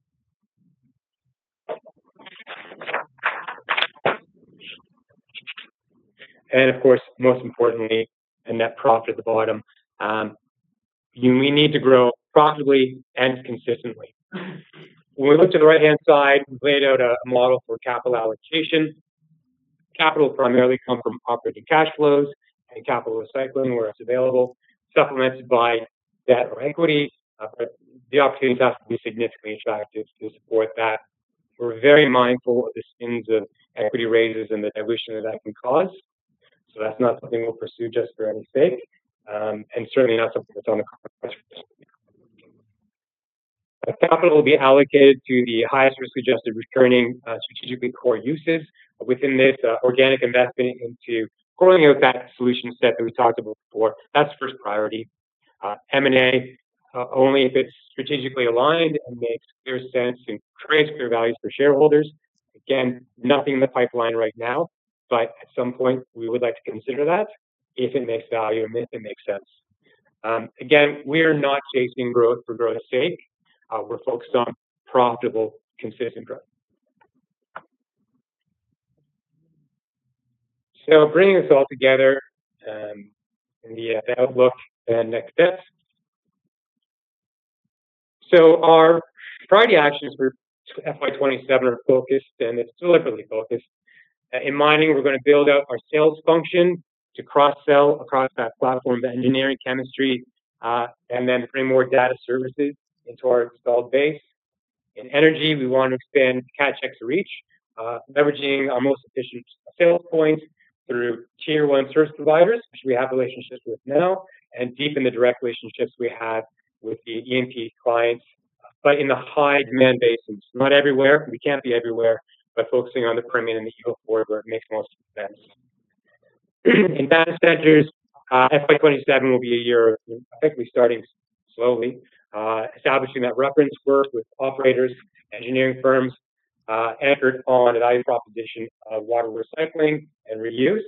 Of course, most importantly, the net profit at the bottom. We need to grow profitably and consistently. When we look to the right-hand side, we've laid out a model for capital allocation. Capital primarily come from operating cash flows and capital recycling, where it's available, supplemented by debt or equity, the opportunities have to be significantly attractive to support that. We're very mindful of the sins of equity raises and the dilution that can cause. That's not something we'll pursue just for any sake, certainly not something that's on the cards. The capital will be allocated to the highest risk-adjusted returning, strategically core uses within this organic investment into growing out that solution set that we talked about before. That's first priority. M&A, only if it's strategically aligned and makes clear sense creates clear values for shareholders. Again, nothing in the pipeline right now, at some point, we would like to consider that if it makes value if it makes sense. Again, we are not chasing growth for growth's sake. We're focused on profitable, consistent growth. Bringing this all together in the outlook and next steps. Our priority actions for FY 2027 are focused, it's deliberately focused. In mining, we're going to build out our sales function to cross-sell across that platform of engineering, chemistry, then bring more data services into our installed base. In energy, we want to expand CatChek's reach, leveraging our most efficient sales point through tier 1 service providers, which we have relationships with now, and deepen the direct relationships we have with the E&P clients, but in the high demand basins. Not everywhere. We can't be everywhere, but focusing on the Permian and the Eagle Ford where it makes most sense. In data centers, FY 2027 will be a year of effectively starting slowly, establishing that reference work with operators, engineering firms, anchored on the value proposition of water recycling and reuse.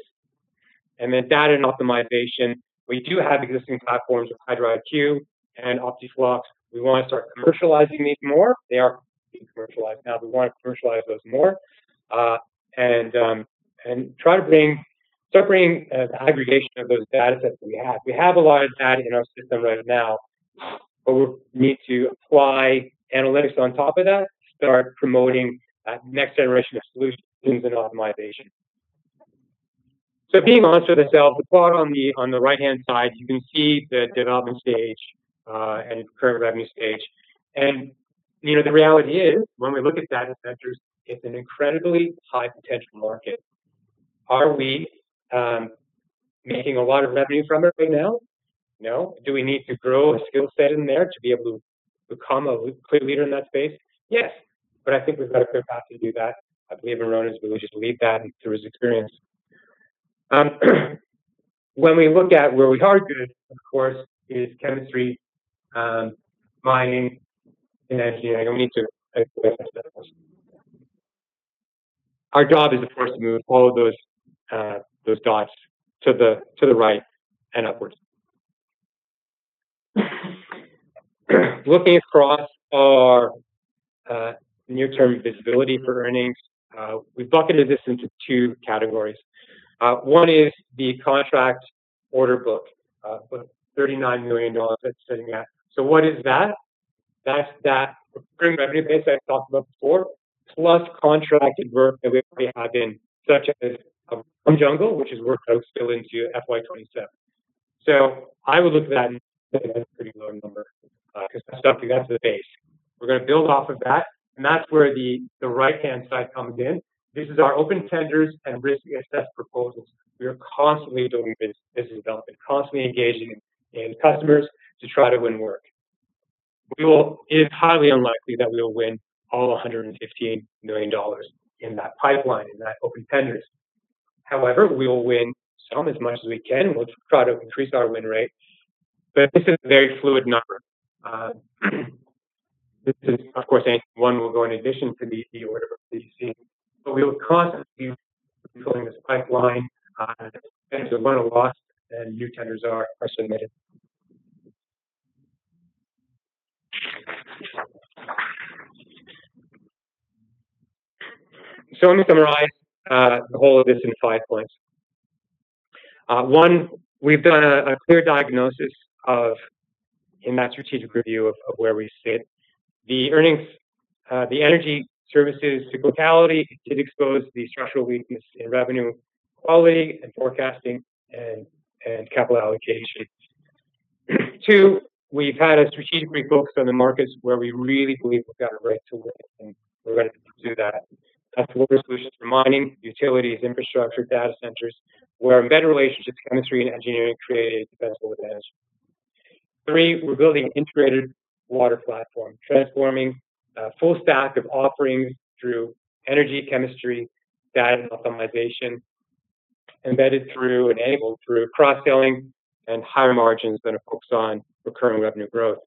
Data and optimization, we do have existing platforms with HydraIQ and OptiFlox. We want to start commercializing these more. They are being commercialized now, we want to commercialize those more, and start bringing an aggregation of those data sets that we have. We have a lot of data in our system right now. We need to apply analytics on top of that to start promoting that next generation of solutions and optimization. Being honest with ourselves, the plot on the right-hand side, you can see the development stage, and current revenue stage. The reality is, when we look at data centers, it's an incredibly high potential market. Are we making a lot of revenue from it right now? No. Do we need to grow a skill set in there to be able to become a clear leader in that space? Yes. I think we've got a clear path to do that. I believe in Ronan's ability to lead that through his experience. When we look at where we are good, of course, is chemistry, mining, and engineering. I don't need to explain that much. Our job is, of course, to move all of those dots to the right and upwards. Looking across our near-term visibility for earnings, we've bucketed this into 2 categories. One is the contract order book of AUD 39 million that's sitting there. What is that? That's that recurring revenue base I talked about before, plus contracted work that we already have in, such as Rum Jungle, which is worked out still into FY 2027. I would look at that and say that's a pretty low number, because that's the base. We're going to build off of that, and that's where the right-hand side comes in. This is our open tenders and risk assessed proposals. We are constantly doing business development, constantly engaging in customers to try to win work. It is highly unlikely that we will win all 158 million dollars in that pipeline, in that open tenders. However, we will win some, as much as we can. We'll try to increase our win rate. This is a very fluid number. This is, of course, anything one will go in addition to the order that you're seeing. We are constantly filling this pipeline as a run or loss than new tenders are submitted. Let me summarize the whole of this in 5 points. 1, we've done a clear diagnosis in that strategic review of where we sit. The earnings, the energy services totality, it exposed the structural weakness in revenue quality and forecasting and capital allocation. 2, we've had a strategic refocus on the markets where we really believe we've got a right to win, and we're ready to do that. That's water solutions for mining, utilities, infrastructure, data centers, where our better relationships, chemistry, and engineering create a defensible advantage. Three, we're building an integrated water platform, transforming a full stack of offerings through energy, chemistry, data, and optimization, embedded through and enabled through cross-selling and higher margins that are focused on recurring revenue growth.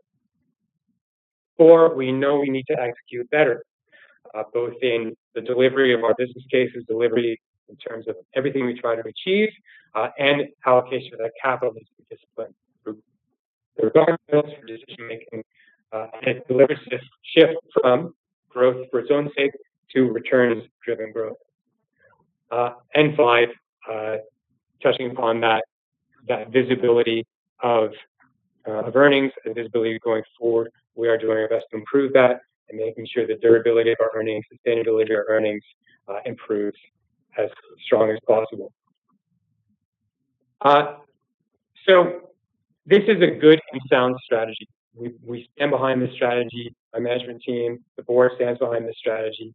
Four, we know we need to execute better, both in the delivery of our business cases, delivery in terms of everything we try to achieve, and allocation of that capital needs to be disciplined through the regard for decision-making. It delivers this shift from growth for its own sake to returns-driven growth. Five, touching upon that visibility of earnings and visibility going forward, we are doing our best to improve that and making sure the durability of our earnings, sustainability of our earnings, improves as strong as possible. This is a good and sound strategy. We stand behind this strategy. Our management team, the board stands behind this strategy.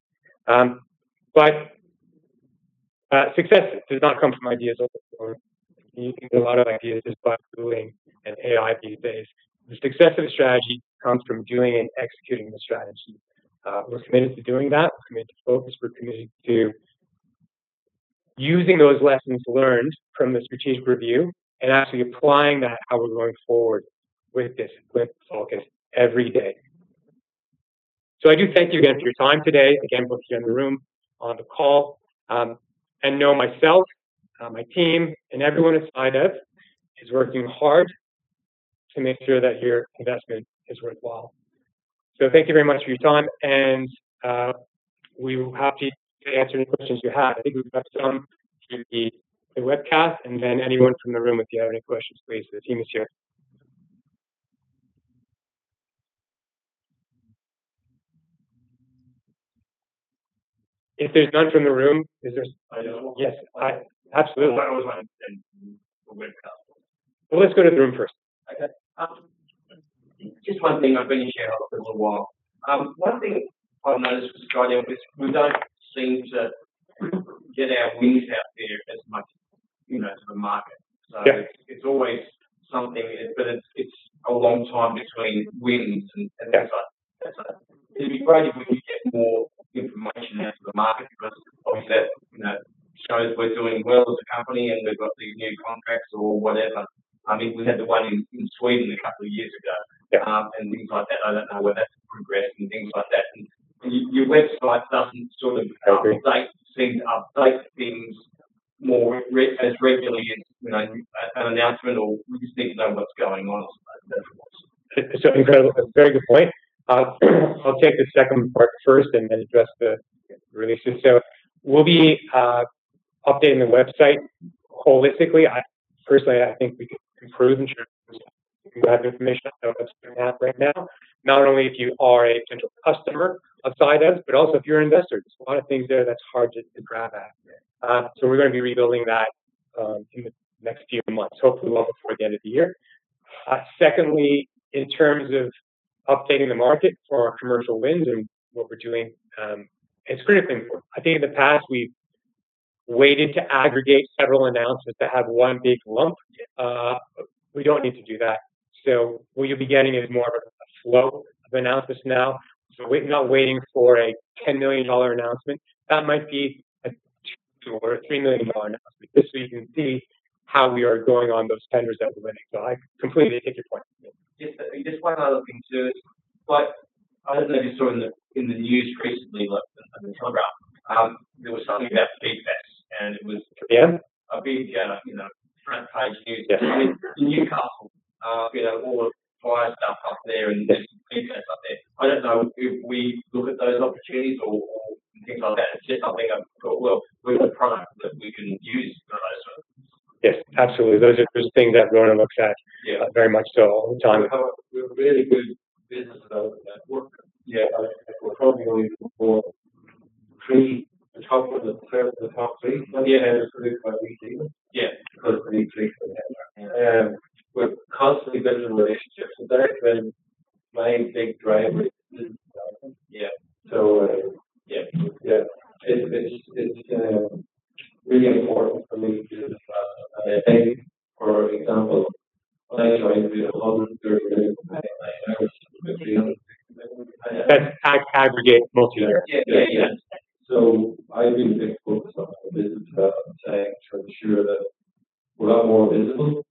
Success does not come from ideas alone. You can get a lot of ideas just by Googling an AI these days. The success of a strategy comes from doing and executing the strategy. We're committed to doing that. We're committed to focus. We're committed to using those lessons learned from the strategic review and actually applying that how we're going forward with this, with focus every day. I do thank you again for your time today, again, both here in the room, on the call, and know myself, my team, and everyone inside us is working hard to make sure that your investment is worthwhile. Thank you very much for your time, and we will be happy to answer any questions you have. I think we've got some through the webcast, and then anyone from the room, if you have any questions, please, the team is here. If there's none from the room, is there- I got one. Yes. Absolutely. That was my intention, the webcast. Well, let's go to the room first. Okay. Just one thing, I've been in sharehold for a little while. One thing I've noticed with SciDev is we don't seem to get our wins out there as much to the market. Yeah. It's always something, but it's a long time between wins and things like that. Yeah. It'd be great if we could get more information out to the market, because obviously that shows we're doing well as a company and we've got these new contracts or whatever. We had the one in Sweden a couple of years ago. Yeah. Things like that. I don't know where that's progressed and things like that. Your website doesn't sort of. Okay update things as regularly as an announcement or we just need to know what's going on. That's what. Very good point. I'll take the second part first and then address the releases. We'll be updating the website holistically, personally, I think we could improve in terms of who has information, so that's where we're at right now. Not only if you are a potential customer of SciDev, but also if you're an investor. There's a lot of things there that's hard to grab at. Yeah. We're going to be rebuilding that in the next few months. Hopefully, well before the end of the year. Secondly, in terms of updating the market for our commercial wins and what we're doing, it's a great thing. I think in the past, we've waited to aggregate several announcements to have one big lump. We don't need to do that. What you'll be getting is more of a flow of announcements now. We're not waiting for a 10 million dollar announcement. That might be a 2 million or a 3 million dollar announcement. Just so you can see how we are going on those tenders that we're winning. I completely take your point. Just one other thing too is, I don't know if you saw in the news recently, like in The Telegraph, there was something about PFAS. Yeah It was a big deal, front page news. Yeah. I mean, in Newcastle, all the fire stuff up there and there's some PFAS up there. I don't know if we look at those opportunities or things like that. It's just something I thought, "Well, we have a product that we can use for those sorts of things. Yes, absolutely. Those are things that we're gonna looks at. Yeah Very much so all the time. We have a really good business development network. Yeah. We're probably only for three, the top of the pyramid, the top three. Yeah. We handle it produced by three teams. Yeah. Because it needs three for that. Yeah. We're constantly building relationships, that has been my big driver in business development. Yeah. Yeah. It's really important for me, business development. I think, for example, when I joined, we had AUD 130 million competing, now it's AUD 360 million. That's aggregate multi-year. Yeah. I've been a big focus on the business development side to ensure that we're a lot more visible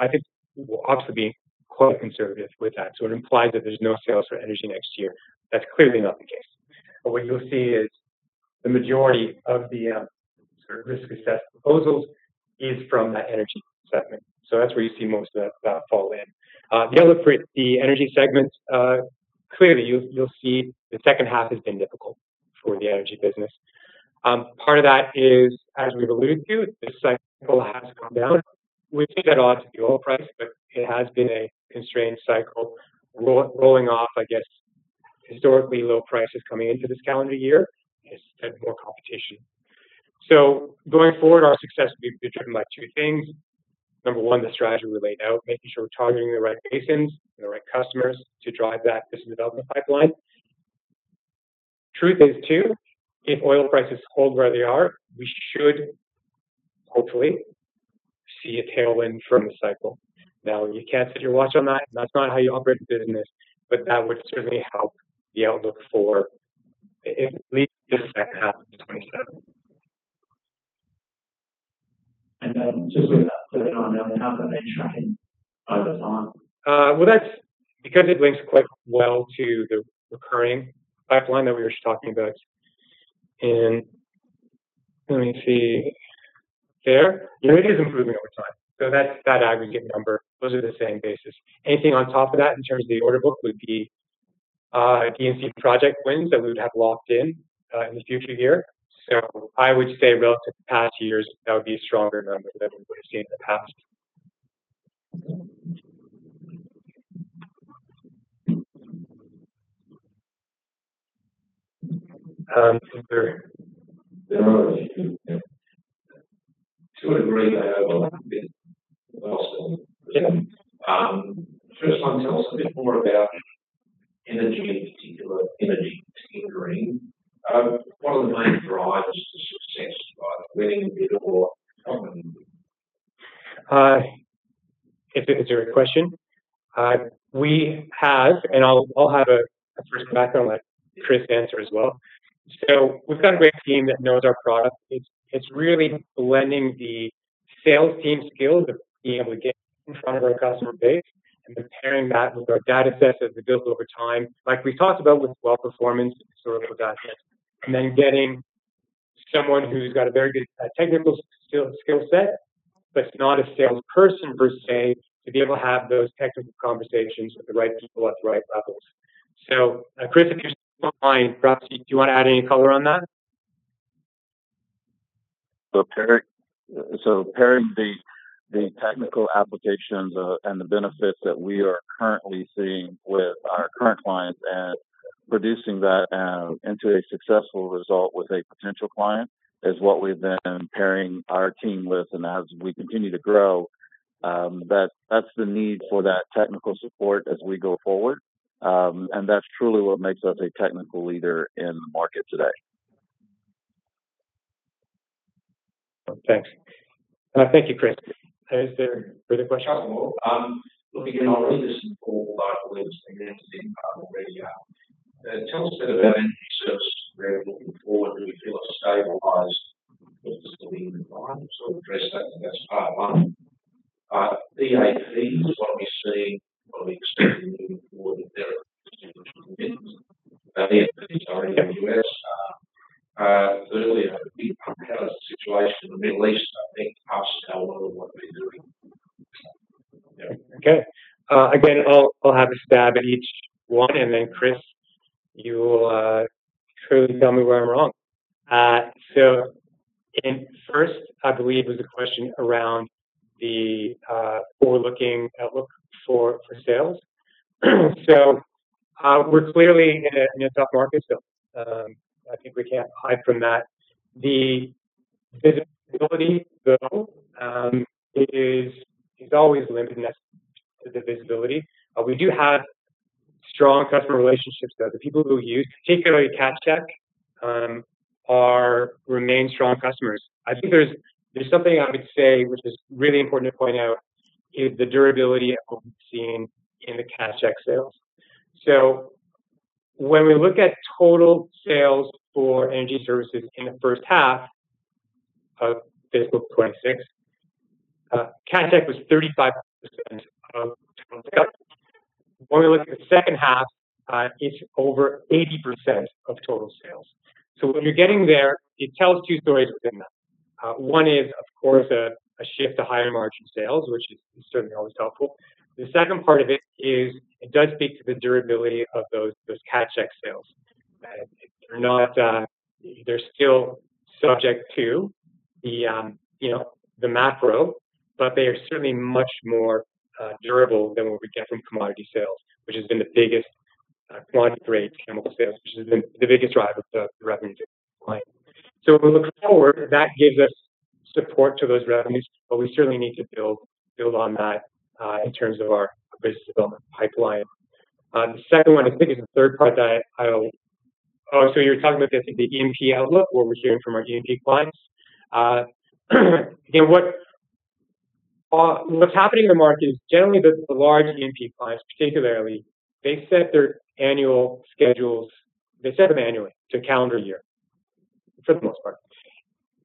I think we're obviously being quite conservative with that. It implies that there's no sales for energy next year. That's clearly not the case. What you'll see is the majority of the sort of risk-assessed proposals is from that energy segment. That's where you see most of that fall in. The energy segment, clearly, you'll see the second half has been difficult for the energy business. Part of that is, as we've alluded to, the cycle has come down. We put that onto the oil price, but it has been a constrained cycle, rolling off, I guess, historically low prices coming into this calendar year. There's more competition. Going forward, our success will be determined by two things. Number one, the strategy we laid out, making sure we're targeting the right basins and the right customers to drive that business development pipeline. Truth is, too, if oil prices hold where they are, we should hopefully see a tailwind from the cycle. You can't set your watch on that, and that's not how you operate a business, but that would certainly help the outlook for at least the second half of 2027. Just with that, on the other half of that tracking over time. That's because it links quite well to the recurring pipeline that we were just talking about. It is improving over time. That's that aggregate number. Those are the same basis. Anything on top of that in terms of the order book would be D&C project wins that we would have locked in in the future year. I would say relative to past years, that would be a stronger number than we would've seen in the past. There are a few. To a degree, they overlap a bit. I'll still ask them. Yeah. First one, tell us a bit more about energy, in particular, energy tinkering. What are the main drivers to success, either winning the bid or implementing? It's a great question. We have, and I'll have a quick background, let Chris answer as well. We've got a great team that knows our product. It's really blending the sales team skills of being able to get in front of our customer base and then pairing that with our data sets that we built over time, like we talked about with well performance and historical data, and then getting someone who's got a very good technical skill set, but not a salesperson per se, to be able to have those technical conversations with the right people at the right levels. Chris, if you don't mind, perhaps do you want to add any color on that? Pairing the technical applications and the benefits that we are currently seeing with our current clients and Producing that into a successful result with a potential client is what we've been pairing our team with. As we continue to grow, that's the need for that technical support as we go forward. That's truly what makes us a technical leader in the market today. Thanks. Thank you, Chris. Is there further questions? Looking at our business for the last 12 months, you answered it partly already. Tell us a bit about Energy Services. We're looking forward, do we feel it's stabilized? What's the leading environment? Sort of address that's part one. The AP, what are we seeing? What are we expecting moving forward there in percentage commitments? Obviously, it's already in the U.S. Earlier, we had a situation in the Middle East, I think perhaps now what are we doing? Okay. Again, I'll have a stab at each one, and then Chris Dartez, you will truly tell me where I'm wrong. In first, I believe was a question around the overlooking outlook for sales. We're clearly in a tough market still. I think we can't hide from that. The visibility, though, is always limited next to the visibility. We do have strong customer relationships, though. The people who use, particularly CatChek, remain strong customers. I think there's something I would say which is really important to point out, is the durability of what we've seen in the CatChek sales. When we look at total sales for energy services in the first half of fiscal 2026, CatChek was 35% of total sales. When we look at the second half, it's over 80% of total sales. What you're getting there, it tells two stories within that. One is, of course, a shift to higher margin sales, which is certainly always helpful. The second part of it is it does speak to the durability of those CatChek sales. They're still subject to the macro, but they are certainly much more durable than what we get from commodity sales, which has been the biggest quantity chemical sales, which has been the biggest driver of the revenue decline. If we look forward, that gives us support to those revenues, but we certainly need to build on that, in terms of our business development pipeline. The second one, I think, is the third part that I You're talking about the E&P outlook, what we're hearing from our E&P clients. What's happening in the market is generally the large E&P clients, particularly, they set their annual schedules, they set them annually to calendar year, for the most part.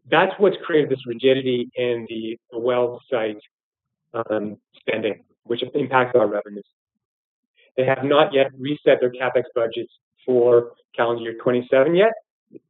That's what's created this rigidity in the well site standing, which has impacted our revenues. They have not yet reset their CapEx budgets for calendar year 2027 yet.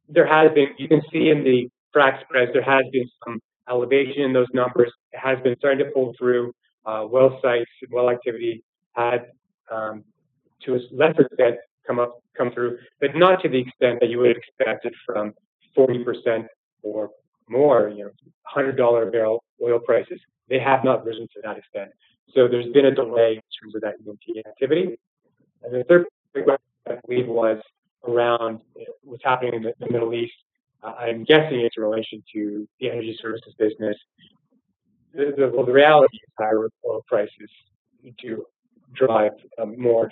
You can see in the frac spreads there has been some elevation in those numbers. It has been starting to pull through well sites, well activity to a lesser extent come through, but not to the extent that you would've expected from 40% or more, 100 dollar a barrel oil prices. They have not risen to that extent. There's been a delay in terms of that E&P activity. The third question I believe was around what's happening in the Middle East. I'm guessing it's in relation to the energy services business. The reality is higher oil prices do drive more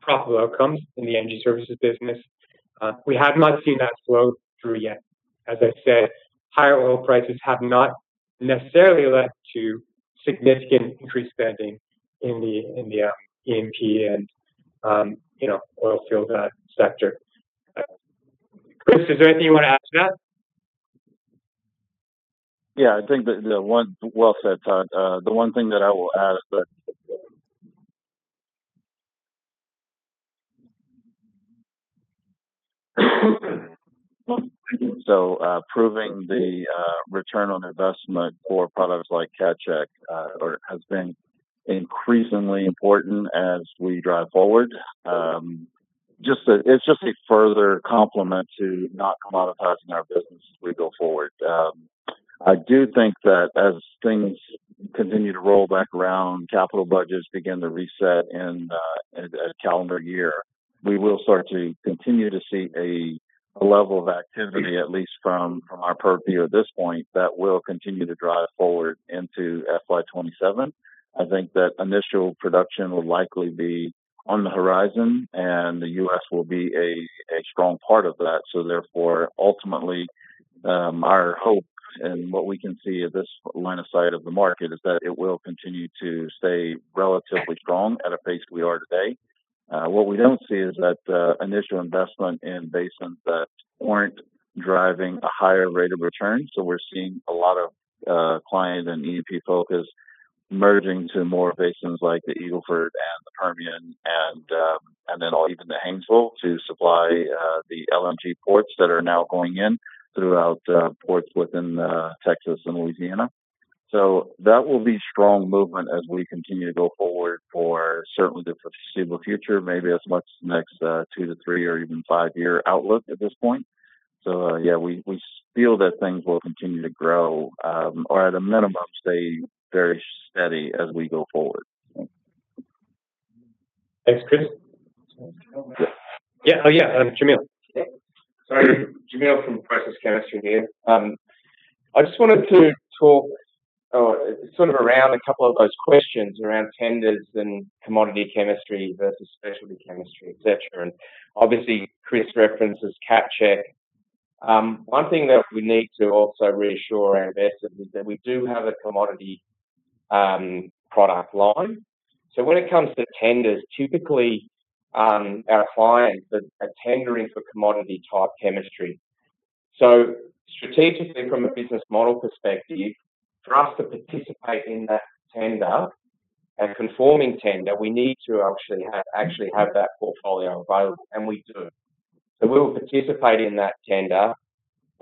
profitable outcomes in the energy services business. We have not seen that flow through yet. As I said, higher oil prices have not necessarily led to significant increased spending in the E&P and oil field sector. Chris, is there anything you want to add to that? I think well said, Todd. The one thing that I will add, that proving the return on investment for products like CatChek has been increasingly important as we drive forward. It's just a further complement to not commoditizing our business as we go forward. I do think that as things continue to roll back around, capital budgets begin to reset in a calendar year, we will start to continue to see a level of activity, at least from our purview at this point, that will continue to drive forward into FY 2027. I think that initial production will likely be on the horizon, and the U.S. will be a strong part of that. Therefore, ultimately, our hope and what we can see at this line of sight of the market is that it will continue to stay relatively strong at a pace we are today. What we don't see is that initial investment in basins that weren't driving a higher rate of return. We're seeing a lot of client and E&P focus merging to more basins like the Eagle Ford and the Permian, and then even the Haynesville to supply the LNG ports that are now going in throughout ports within Texas and Louisiana. That will be strong movement as we continue to go forward for certainly the foreseeable future, maybe as much as the next two to three or even five-year outlook at this point. We feel that things will continue to grow, or at a minimum, stay very steady as we go forward. Thanks, Chris. Jamiel. Sorry, Jamiel from Process Chemistry here. I just wanted to talk around a couple of those questions around tenders and commodity chemistry versus specialty chemistry, et cetera. Obviously, Chris references CatChek. One thing that we need to also reassure our investors is that we do have a commodity product line. When it comes to tenders, typically, our clients are tendering for commodity-type chemistry. Strategically from a business model perspective, for us to participate in that tender and conform in tender, we need to actually have that portfolio available, and we do. We'll participate in that tender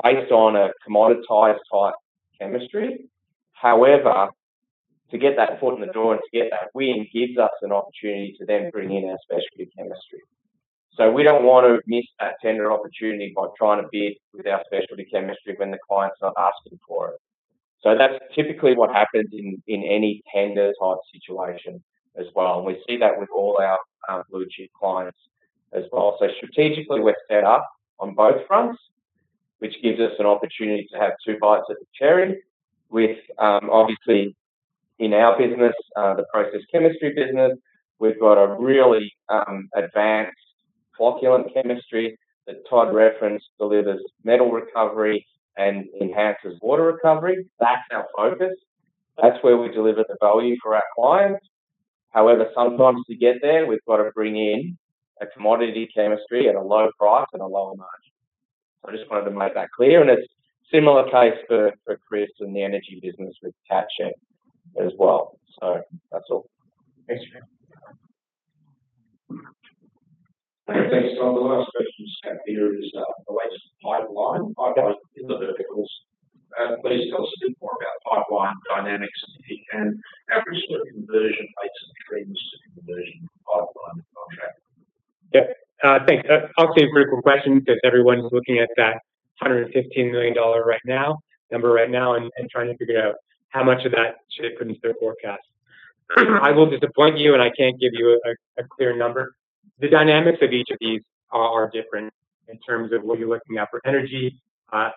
based on a commoditized type chemistry. However, to get that foot in the door and to get that win gives us an opportunity to then bring in our specialty chemistry. We don't want to miss that tender opportunity by trying to bid with our specialty chemistry when the client's not asking for it. That's typically what happens in any tender type situation as well, and we see that with all our blue-chip clients as well. Strategically, we're set up on both fronts, which gives us an opportunity to have two bites at the cherry with, obviously, in our business, the process chemistry business. We've got a really advanced flocculant chemistry that Todd referenced delivers metal recovery and enhances water recovery. That's our focus. That's where we deliver the value for our clients. However, sometimes to get there, we've got to bring in a commodity chemistry at a low price and a lower margin. I just wanted to make that clear, and it's similar case for Chris in the energy business with CatChek as well. That's all. Thanks, Jamiel. Thanks, Todd. The last question I have here is related to pipeline in the verticals. Please tell us a bit more about pipeline dynamics, and if you can, average conversion rates and trends in conversion pipeline and contract. Yeah. Thanks. Obviously, a critical question because everyone's looking at that 115 million dollar number right now and trying to figure out how much of that should they put into their forecast. I will disappoint you. I can't give you a clear number. The dynamics of each of these are different in terms of what you're looking at for energy,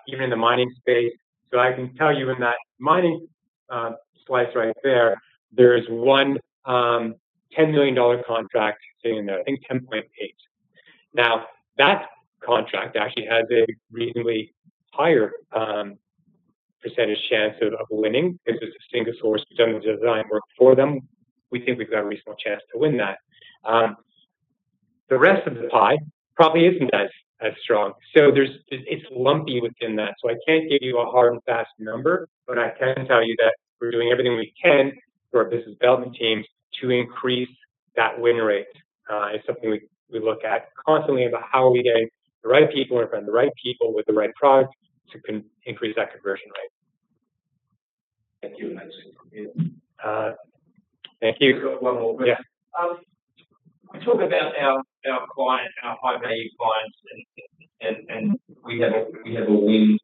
even in the mining space. I can tell you in that mining slice right there is one 10 million dollar contract sitting in there, I think 10.8. That contract actually has a reasonably higher percentage chance of winning. This is a single source. We've done the design work for them. We think we've got a reasonable chance to win that. The rest of the pie probably isn't as strong. It's lumpy within that, so I can't give you a hard and fast number, but I can tell you that we're doing everything we can through our business development teams to increase that win rate. It's something we look at constantly about how are we getting the right people in front of the right people with the right product to increase that conversion rate. Thank you. That's clear. Thank you. We've got one more. Yeah. We talk about our client and our high-value clients, and we have a win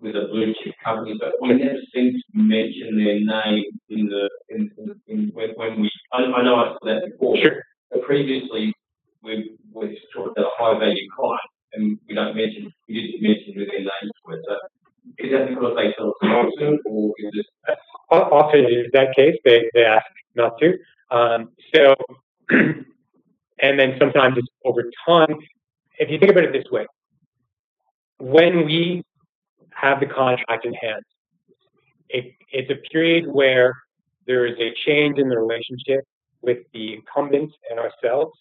with a blue-chip company, but we never seem to mention their name. I know I asked that before. Sure. Previously, we've talked about a high-value client, and we didn't mention their names. Is that because they tell us not to or is it? Often, it is that case. They ask not to. Sometimes it's over time. If you think about it this way, when we have the contract in hand, it's a period where there is a change in the relationship with the incumbent and ourselves,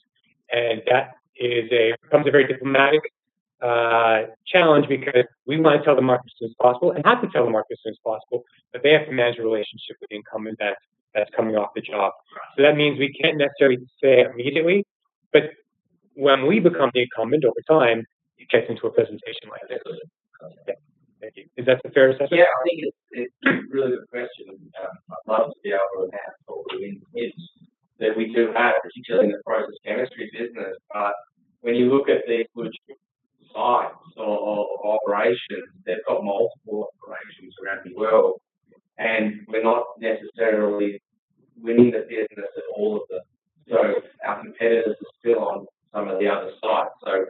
and that becomes a very diplomatic challenge because we want to tell the market as soon as possible and have to tell the market as soon as possible, but they have to manage a relationship with the incumbent that's coming off the job. That means we can't necessarily say immediately, but when we become the incumbent over time, it gets into a presentation like this. Okay. Yeah. Thank you. Is that a fair assessment? Yeah, I think it's a really good question. I'd love to be able to announce all the wins that we do have, particularly in the Process Chemistry business. When you look at these blue-chip clients or operations, they've got multiple operations around the world, and we're not necessarily winning the business at all of them. Our competitors are still on some of the other sites.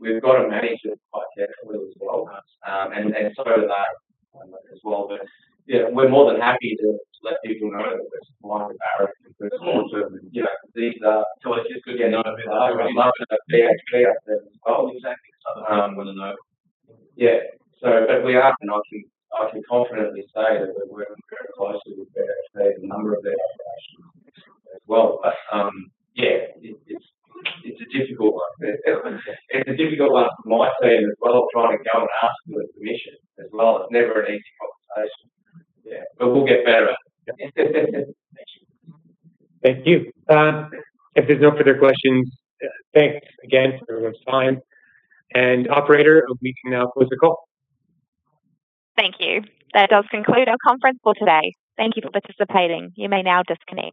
We've got to manage it quite carefully as well. Are they as well. We're more than happy to let people know that there's clients that are. Sure. These are. Tell us who could be. I'd love to say BHP up there as well. Exactly. Someone will know. Yeah. We are, and I can confidently say that we're working very closely with BHP at a number of their operations as well. Yeah, it's a difficult one. It's a difficult one for my team as well, trying to go and ask for the permission as well. It's never an easy conversation. Yeah. We'll get better at it. Thank you. If there's no further questions, thanks again for everyone's time. Operator, we can now close the call. Thank you. That does conclude our conference call today. Thank you for participating. You may now disconnect.